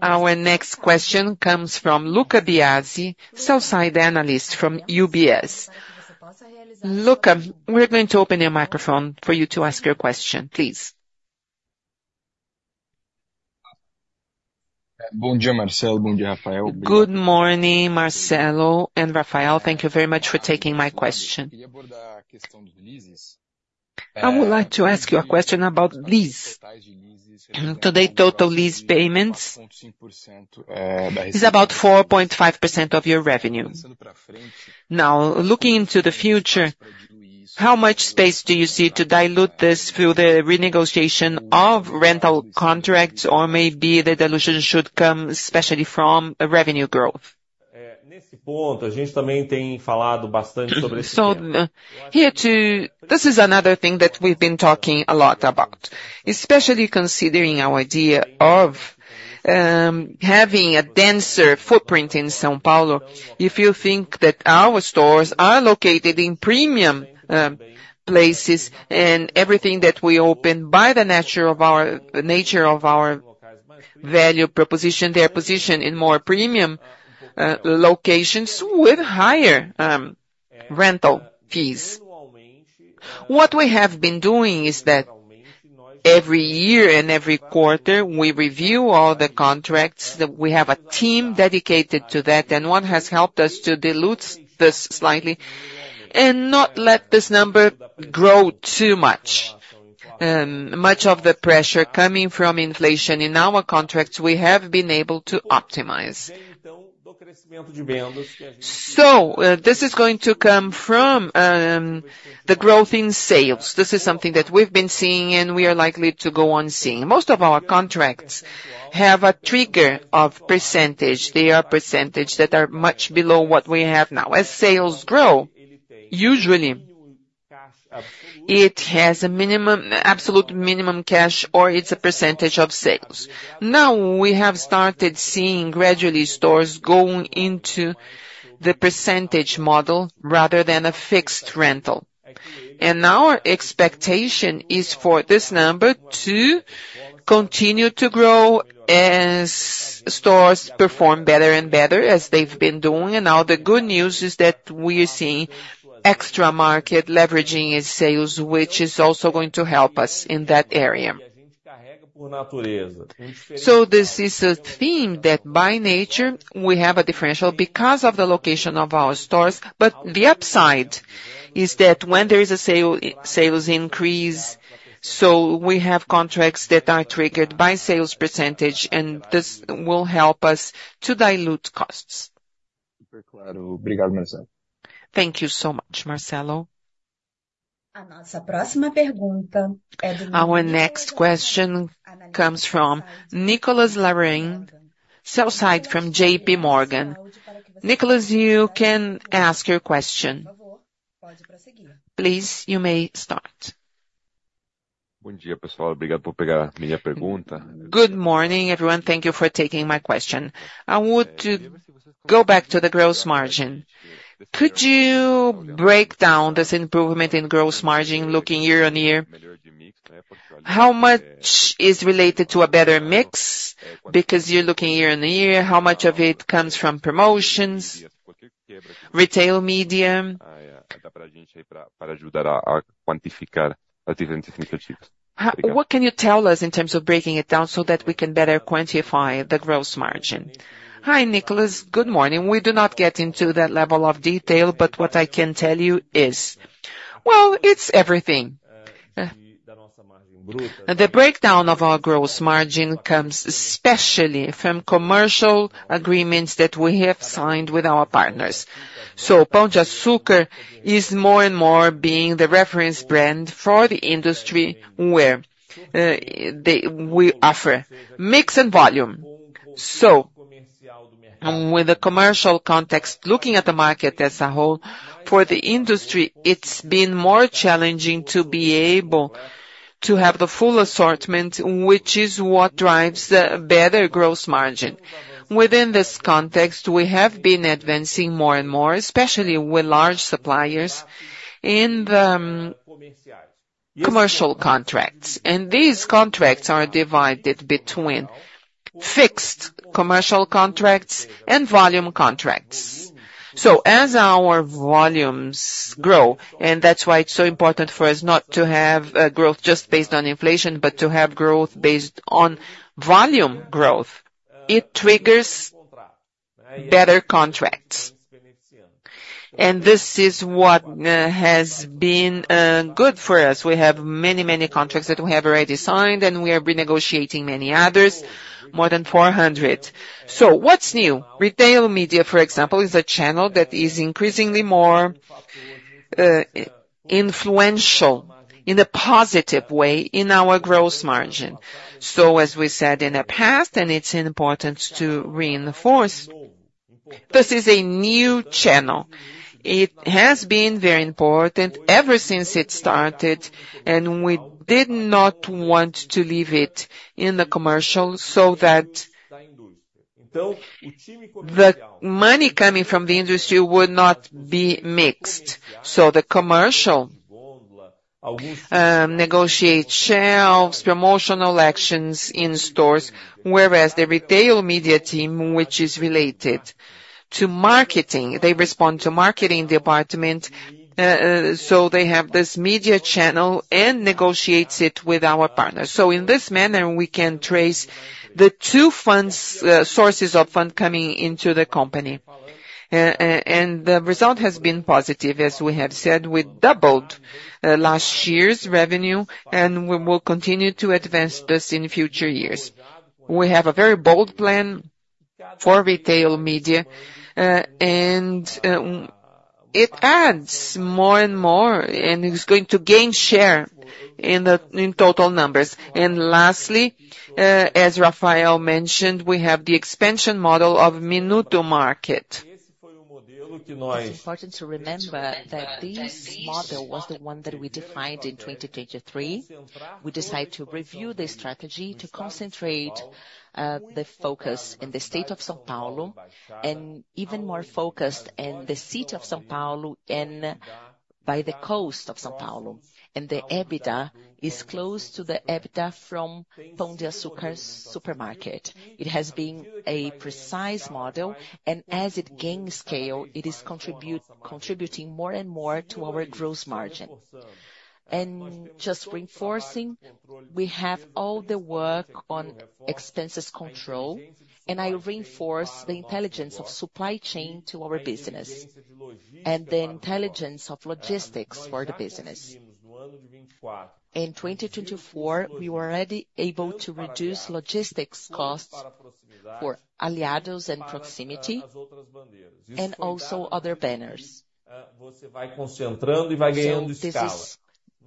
Our next question comes from Lucas Biasi, sell-side analyst from UBS. Luca, we're going to open your microphone for you to ask your question, please. Good morning, Marcelo and Rafael. Thank you very much for taking my question. I would like to ask you a question about lease. Today, total lease payments is about 4.5% of your revenue. Now, looking into the future, how much space do you see to dilute this through the renegotiation of rental contracts, or maybe the dilution should come especially from revenue growth? This is another thing that we've been talking a lot about, especially considering our idea of having a denser footprint in São Paulo. If you think that our stores are located in premium places and everything that we open by the nature of our value proposition, they're positioned in more premium locations with higher rental fees. What we have been doing is that every year and every quarter, we review all the contracts. We have a team dedicated to that, and one has helped us to dilute this slightly and not let this number grow too much. Much of the pressure coming from inflation in our contracts, we have been able to optimize. This is going to come from the growth in sales. This is something that we've been seeing, and we are likely to go on seeing. Most of our contracts have a trigger of percentage. They are percentages that are much below what we have now. As sales grow, usually it has a absolute minimum cash, or it's a percentage of sales. Now we have started seeing gradually stores going into the percentage model rather than a fixed rental. Our expectation is for this number to continue to grow as stores perform better and better as they've been doing. The good news is that we are seeing extra market leveraging in sales, which is also going to help us in that area. This is a theme that by nature we have a differential because of the location of our stores. But the upside is that when there is a sales increase, we have contracts that are triggered by sales percentage, and this will help us to dilute costs. Thank you so much, Marcelo. Our next question comes from Nicolas Larrain, sell-side from JPMorgan. Nicolas, you can ask your question. Please, you may start. Good morning, everyone. Thank you for taking my question. I would go back to the gross margin. Could you break down this improvement in gross margin looking year-on-year? How much is related to a better mix? Because you're looking year-on-year, how much of it comes from promotions, retail media? What can you tell us in terms of breaking it down so that we can better quantify the gross margin? Hi, Nicolas. Good morning. We do not get into that level of detail, but what I can tell you is, well, it's everything. The breakdown of our gross margin comes especially from commercial agreements that we have signed with our partners. Pão de Açúcar is more and more being the reference brand for the industry where we offer mix and volume. With the commercial context, looking at the market as a whole, for the industry, it's been more challenging to be able to have the full assortment, which is what drives better gross margin. Within this context, we have been advancing more and more, especially with large suppliers in commercial contracts. These contracts are divided between fixed commercial contracts and volume contracts. As our volumes grow, and that's why it's important for us not to have growth just based on inflation, but to have growth based on volume growth, it triggers better contracts. This is what has been good for us. We have many, many contracts that we have already signed, and we are renegotiating many others, more than 400. What's new? Retail media, for example, is a channel that is increasingly more influential in a positive way in our gross margin. As we said in the past, and it's important to reinforce, this is a new channel. It has been very important ever since it started, and we did not want to leave it in the commercial so that the money coming from the industry would not be mixed. The commercial negotiates shelves, promotional actions in stores, whereas the retail media team, which is related to marketing, they respond to the marketing department. They have this media channel and negotiate it with our partners. In this manner, we can trace the two sources of funds coming into the company. The result has been positive, as we have said. We doubled last year's revenue, and we will continue to advance this in future years. We have a very bold plan for retail media, and it adds more and more, and it's going to gain share in total numbers. Lastly, as Rafael mentioned, we have the expansion model of Minuto Pão de Açúcar. Just reinforcing, we have all the work on expense control, and I reinforce the intelligence of supply chain to our business and the intelligence of logistics for the business. In 2024, we were already able to reduce logistics costs for Aliados and proximity and also other vendors.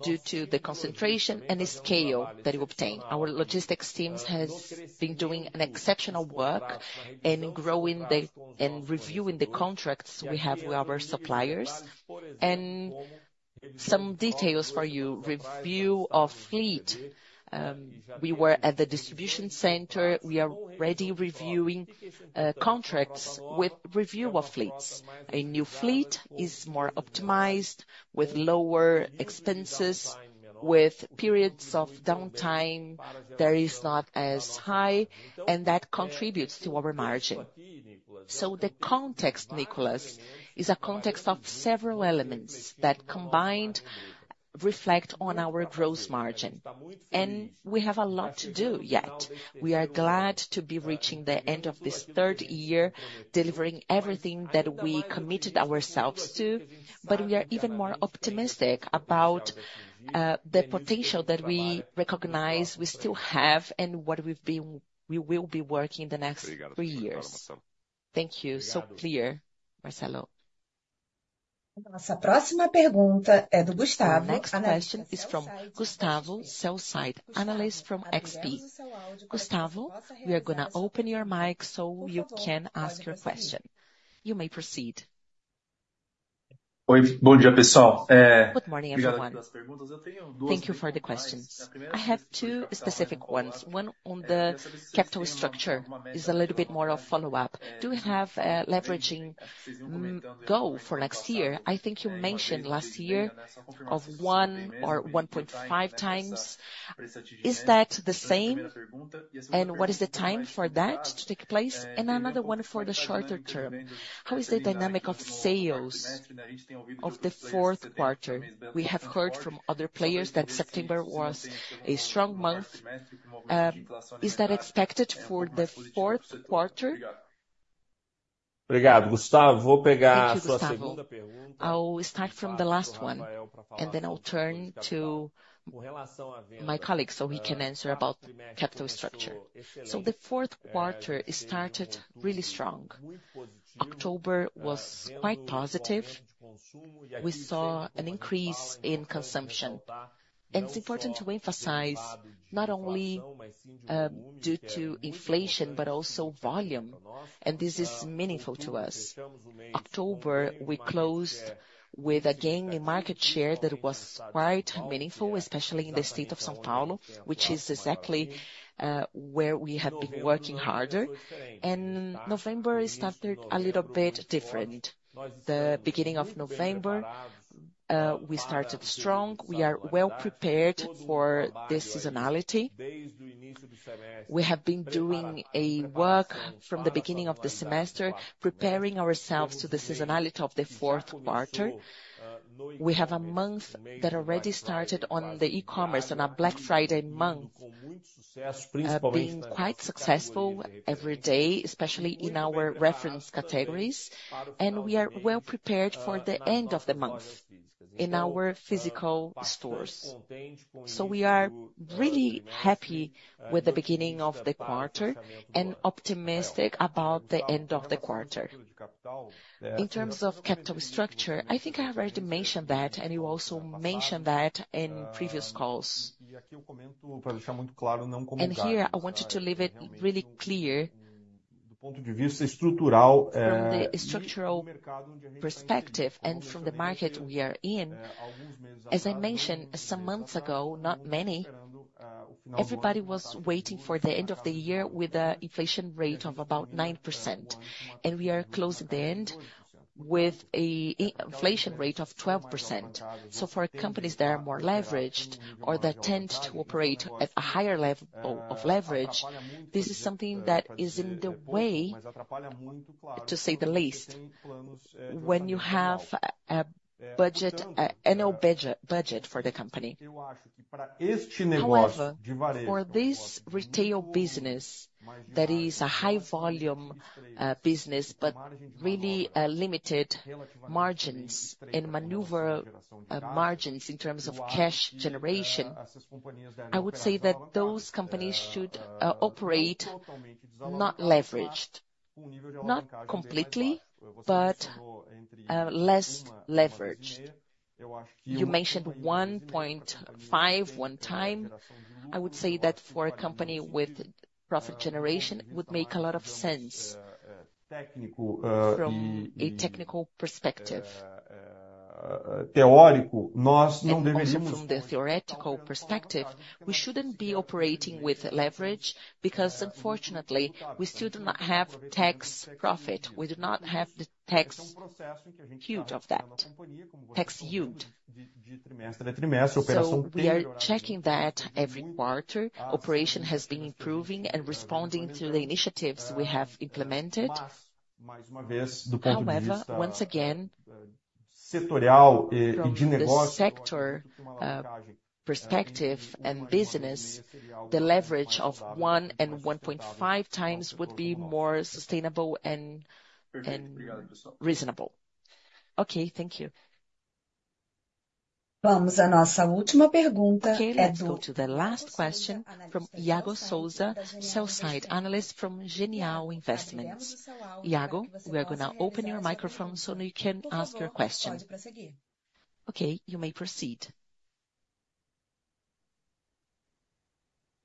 Due to the concentration and scale that we obtained, our logistics teams have been doing exceptional work in reviewing the contracts we have with our suppliers. Some details for you: review of fleet. We were at the distribution center. We are already reviewing contracts with review of fleets. A new fleet is more optimized with lower expenses, with periods of downtime that are not as high, and that contributes to our margin. So the context, Nicolas, is a context of several elements that combined reflect on our gross margin. We have a lot to do yet. We are glad to be reaching the end of this third year, delivering everything that we committed ourselves to, but we are even more optimistic about the potential that we recognize we still have and what we will be working on in the next three years. Thank you. So clear, Marcelo. A próxima pergunta é do Gustavo. The next question is from Gustavo, sell-side analyst from XP. Gustavo, we are going to open your mic so you can ask your question. You may proceed. Oi, bom dia, pessoal. Good morning, everyone. Thank you for the questions. I have two specific ones. One on the capital structure is a little bit more of a follow-up. Do you have a leveraging goal for next year? I think you mentioned last year of one or 1.5 times. Is that the same? And what is the time for that to take place? Another one for the shorter term. How is the dynamic of sales of the Q4? We have heard from other players that September was a strong month. Is that expected for the Q4? Gustavo, I'll pick up from the last one, and then I'll turn to my colleagues so we can answer about capital structure. The Q4 started really strong. October was quite positive. We saw an increase in consumption. It's important to emphasize not only due to inflation, but also volume. This is meaningful to us. In October, we closed with a gain in market share that was quite meaningful, especially in the state of São Paulo, which is exactly where we have been working harder. November started a little bit different. The beginning of November, we started strong. We are well prepared for this seasonality. We have been doing work from the beginning of the semester, preparing ourselves for the seasonality of the Q4. We have a month that already started on the e-commerce and a Black Friday month. We've been quite successful every day, especially in our reference categories. We are well prepared for the end of the month in our physical stores. So we are really happy with the beginning of the quarter and optimistic about the end of the quarter. In terms of capital structure, I think I have already mentioned that, and you also mentioned that in previous calls. Here, I wanted to leave it really clear. From the structural perspective and from the market we are in, as I mentioned some months ago, not many, everybody was waiting for the end of the year with an inflation rate of about 9%. We are closing the end with an inflation rate of 12%. For companies that are more leveraged or that tend to operate at a higher level of leverage, this is something that is in the way, to say the least, when you have an old budget for the company. However, for this retail business that is a high-volume business, but really limited margins and maneuver margins in terms of cash generation, I would say that those companies should operate not leveraged, not completely, but less leveraged. You mentioned 1.5 one time. I would say that for a company with profit generation, it would make a lot of sense from a technical perspective. From the theoretical perspective, we shouldn't be operating with leverage because, unfortunately, we still do not have tax profit. We do not have the tax shield of that. We are checking that every quarter. Operation has been improving and responding to the initiatives we have implemented. However, once again, the sector perspective and business, the leverage of 1 and 1.5 times would be more sustainable and reasonable. Okay, thank you. Vamos à nossa última pergunta. Okay, let's go to the last question from Iago Souza, sell-side analyst from Genial Investments. Iago, we are going to open your microphone so you can ask your question. Okay, you may proceed.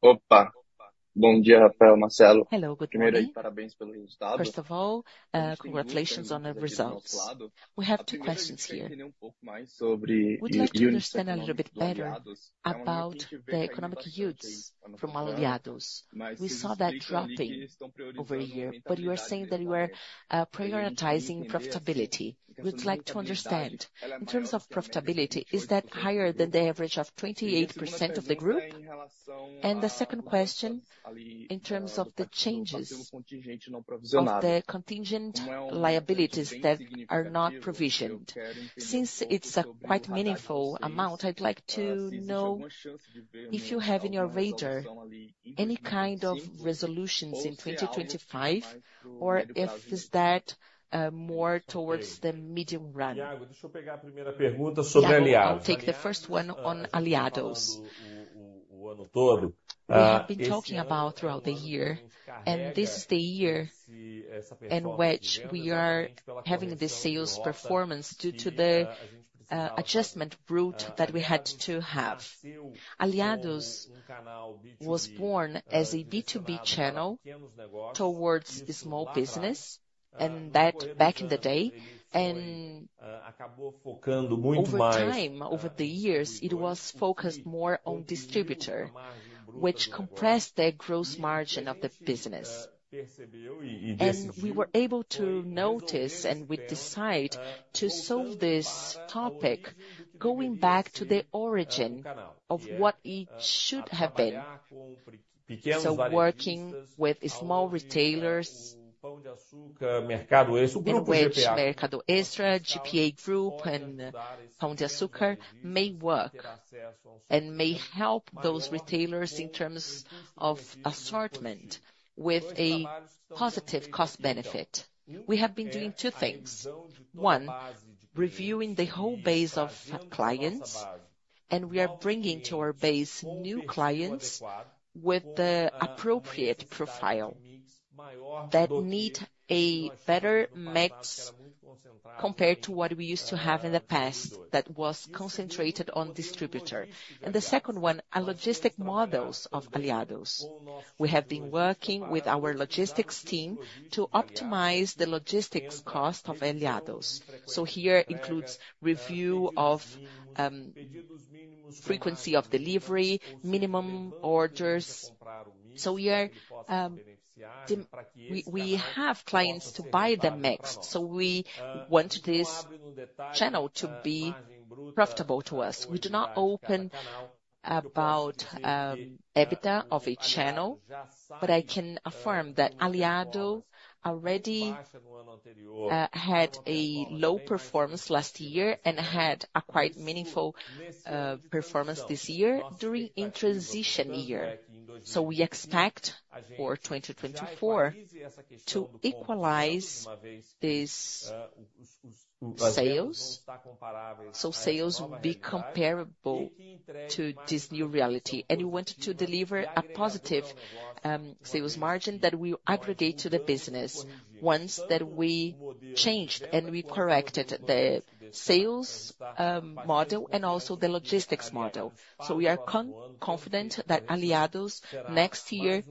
Opa. Bom dia, Rafael, Marcelo. Hello, good morning. First of all, congratulations on the results. We have two questions here. We'd like to understand a little bit better about the economic yields from Aliados. We saw that dropping over a year, but you are saying that you are prioritizing profitability. We'd like to understand, in terms of profitability, is that higher than the average of 28% of the group? The second question, in terms of the changes of the contingent liabilities that are not provisioned, since it's a quite meaningful amount, I'd like to know if you have in your radar any kind of resolutions in 2025, or if it's that more towards the medium run. I'll take the first one on Aliados. We have been talking about throughout the year, and this is the year in which we are having the sales performance due to the adjustment route that we had to have. Aliados was born as a B2B channel towards the small business, and that back in the day, and over time, over the years, it was focused more on distributor, which compressed the gross margin of the business. We were able to notice and we decided to solve this topic going back to the origin of what it should have been. Working with small retailers, Pão de Açúcar, GPA Group, and Pão de Açúcar may work and may help those retailers in terms of assortment with a positive cost benefit. We have been doing two things. One, reviewing the whole base of clients, and we are bringing to our base new clients with the appropriate profile that need a better mix compared to what we used to have in the past that was concentrated on distributor. And the second one, a logistic model of Aliados. We have been working with our logistics team to optimize the logistics cost of Aliados. This includes review of frequency of delivery, minimum orders. We have clients to buy the mix, so we want this channel to be profitable to us. We do not open about EBITDA of a channel, but I can affirm that Aliados already had a low performance last year and had a quite meaningful performance this year during a transition year. We expect for 2024 to equalize these sales, so sales will be comparable to this new reality. We want to deliver a positive sales margin that we aggregate to the business once that we changed and we corrected the sales model and also the logistics model. We are confident that Aliados next year,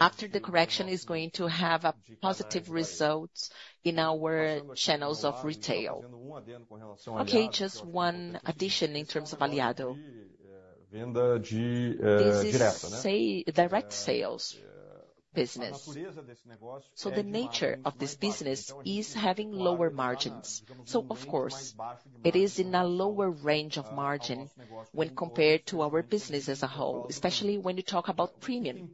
after the correction, is going to have positive results in our channels of retail. Just one addition in terms of Aliados. This is direct sales business. The nature of this business is having lower margins. Of course, it is in a lower range of margin when compared to our business as a whole, especially when you talk about premium.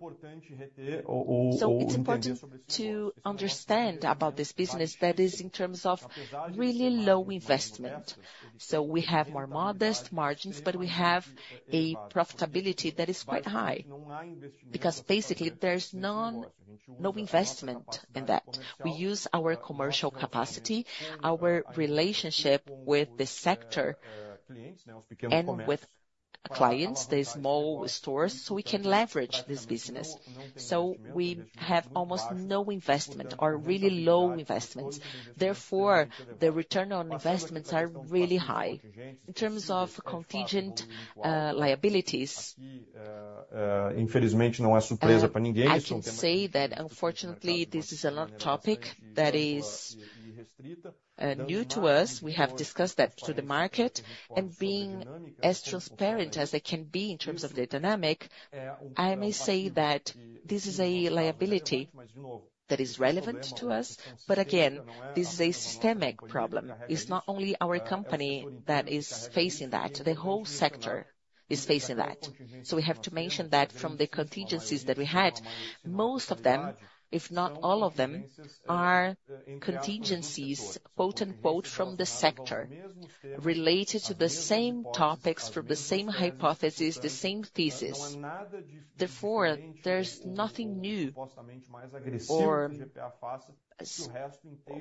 It's important to understand about this business that is in terms of really low investment. We have more modest margins, but we have a profitability that is quite high because, basically, there's no investment in that. We use our commercial capacity, our relationship with the sector, and with clients, the small stores, so we can leverage this business. We have almost no investment or really low investments. Therefore, the return on investments are really high. In terms of contingent liabilities, I can say that, unfortunately, this is another topic that is new to us. We have discussed that to the market. Being as transparent as I can be in terms of the dynamic, I may say that this is a liability that is relevant to us, but again, this is a systemic problem. It's not only our company that is facing that. The whole sector is facing that. So we have to mention that from the contingencies that we had, most of them, if not all of them, are contingencies, quote unquote, from the sector related to the same topics, from the same hypotheses, the same thesis. Therefore, there's nothing new or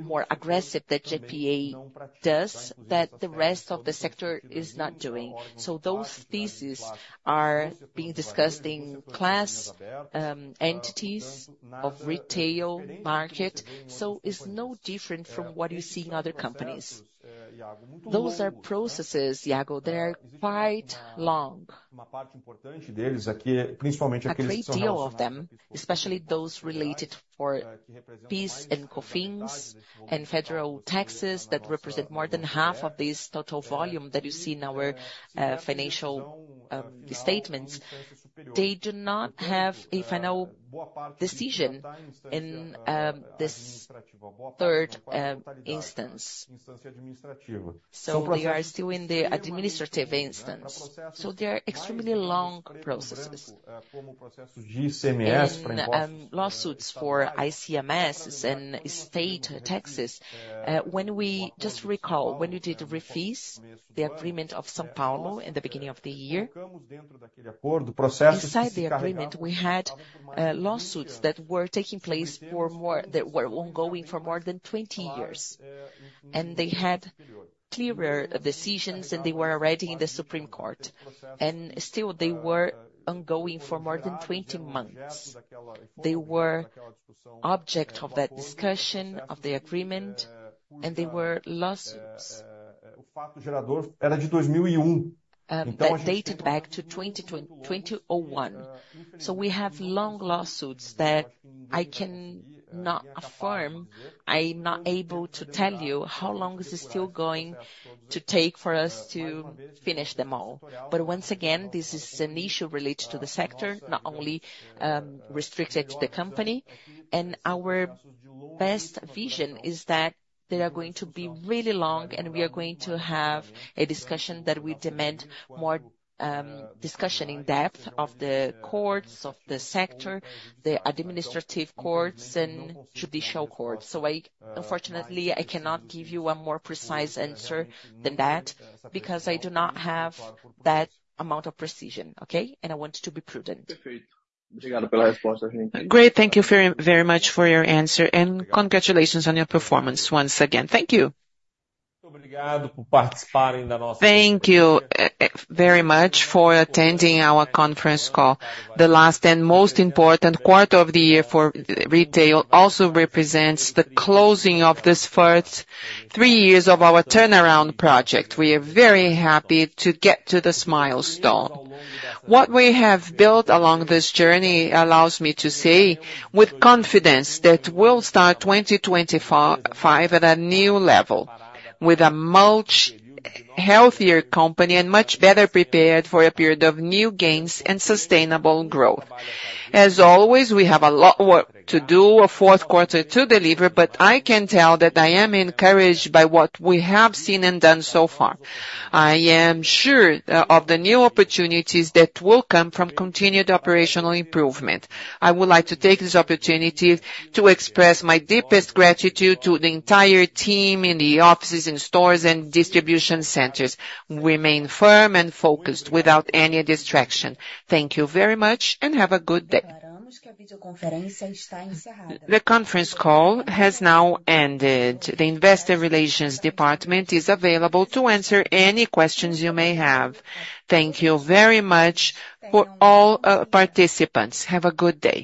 more aggressive that GPA does that the rest of the sector is not doing. So those theses are being discussed in class entities of retail market. So it's no different from what you see in other companies. Those are processes, Iago, that are quite long. A great deal of them, especially those related to PIS and COFINS and federal taxes that represent more than half of this total volume that you see in our financial statements, they do not have a final decision in this third instance. They are still in the administrative instance. They are extremely long processes. Lawsuits for ICMS and state taxes. When we recall, when we refused the agreement of São Paulo in the beginning of the year, inside the agreement, we had lawsuits that were taking place for more than 20 years. They had clearer decisions, and they were already in the Supreme Court. Still, they were ongoing for more than 20 years. They were object of that discussion of the agreement, and they were lawsuits that dated back to 2001. We have long lawsuits that I cannot affirm. I'm not able to tell you how long it's still going to take for us to finish them all. But once again, this is an issue related to the sector, not only restricted to the company. Our best vision is that they are going to be really long, and we are going to have a discussion that we demand more discussion in depth of the courts, of the sector, the administrative courts, and judicial courts. Unfortunately, I cannot give you a more precise answer than that because I do not have that amount of precision. I want to be prudent. Great. Thank you very much for your answer. Congratulations on your performance once again. Thank you. Thank you very much for attending our conference call. The last and most important quarter of the year for retail also represents the closing of this first three years of our turnaround project. We are very happy to get to the milestone. What we have built along this journey allows me to say with confidence that we'll start 2025 at a new level with a much healthier company and much better prepared for a period of new gains and sustainable growth. As always, we have a lot to do, a Q4 to deliver, but I can tell that I am encouraged by what we have seen and done so far. I am sure of the new opportunities that will come from continued operational improvement. I would like to take this opportunity to express my deepest gratitude to the entire team in the offices, in stores, and distribution centers. Remain firm and focused without any distraction. Thank you very much and have a good day. The conference call has now ended. The investor relations department is available to answer any questions you may have. Thank you very much for all participants. Have a good day.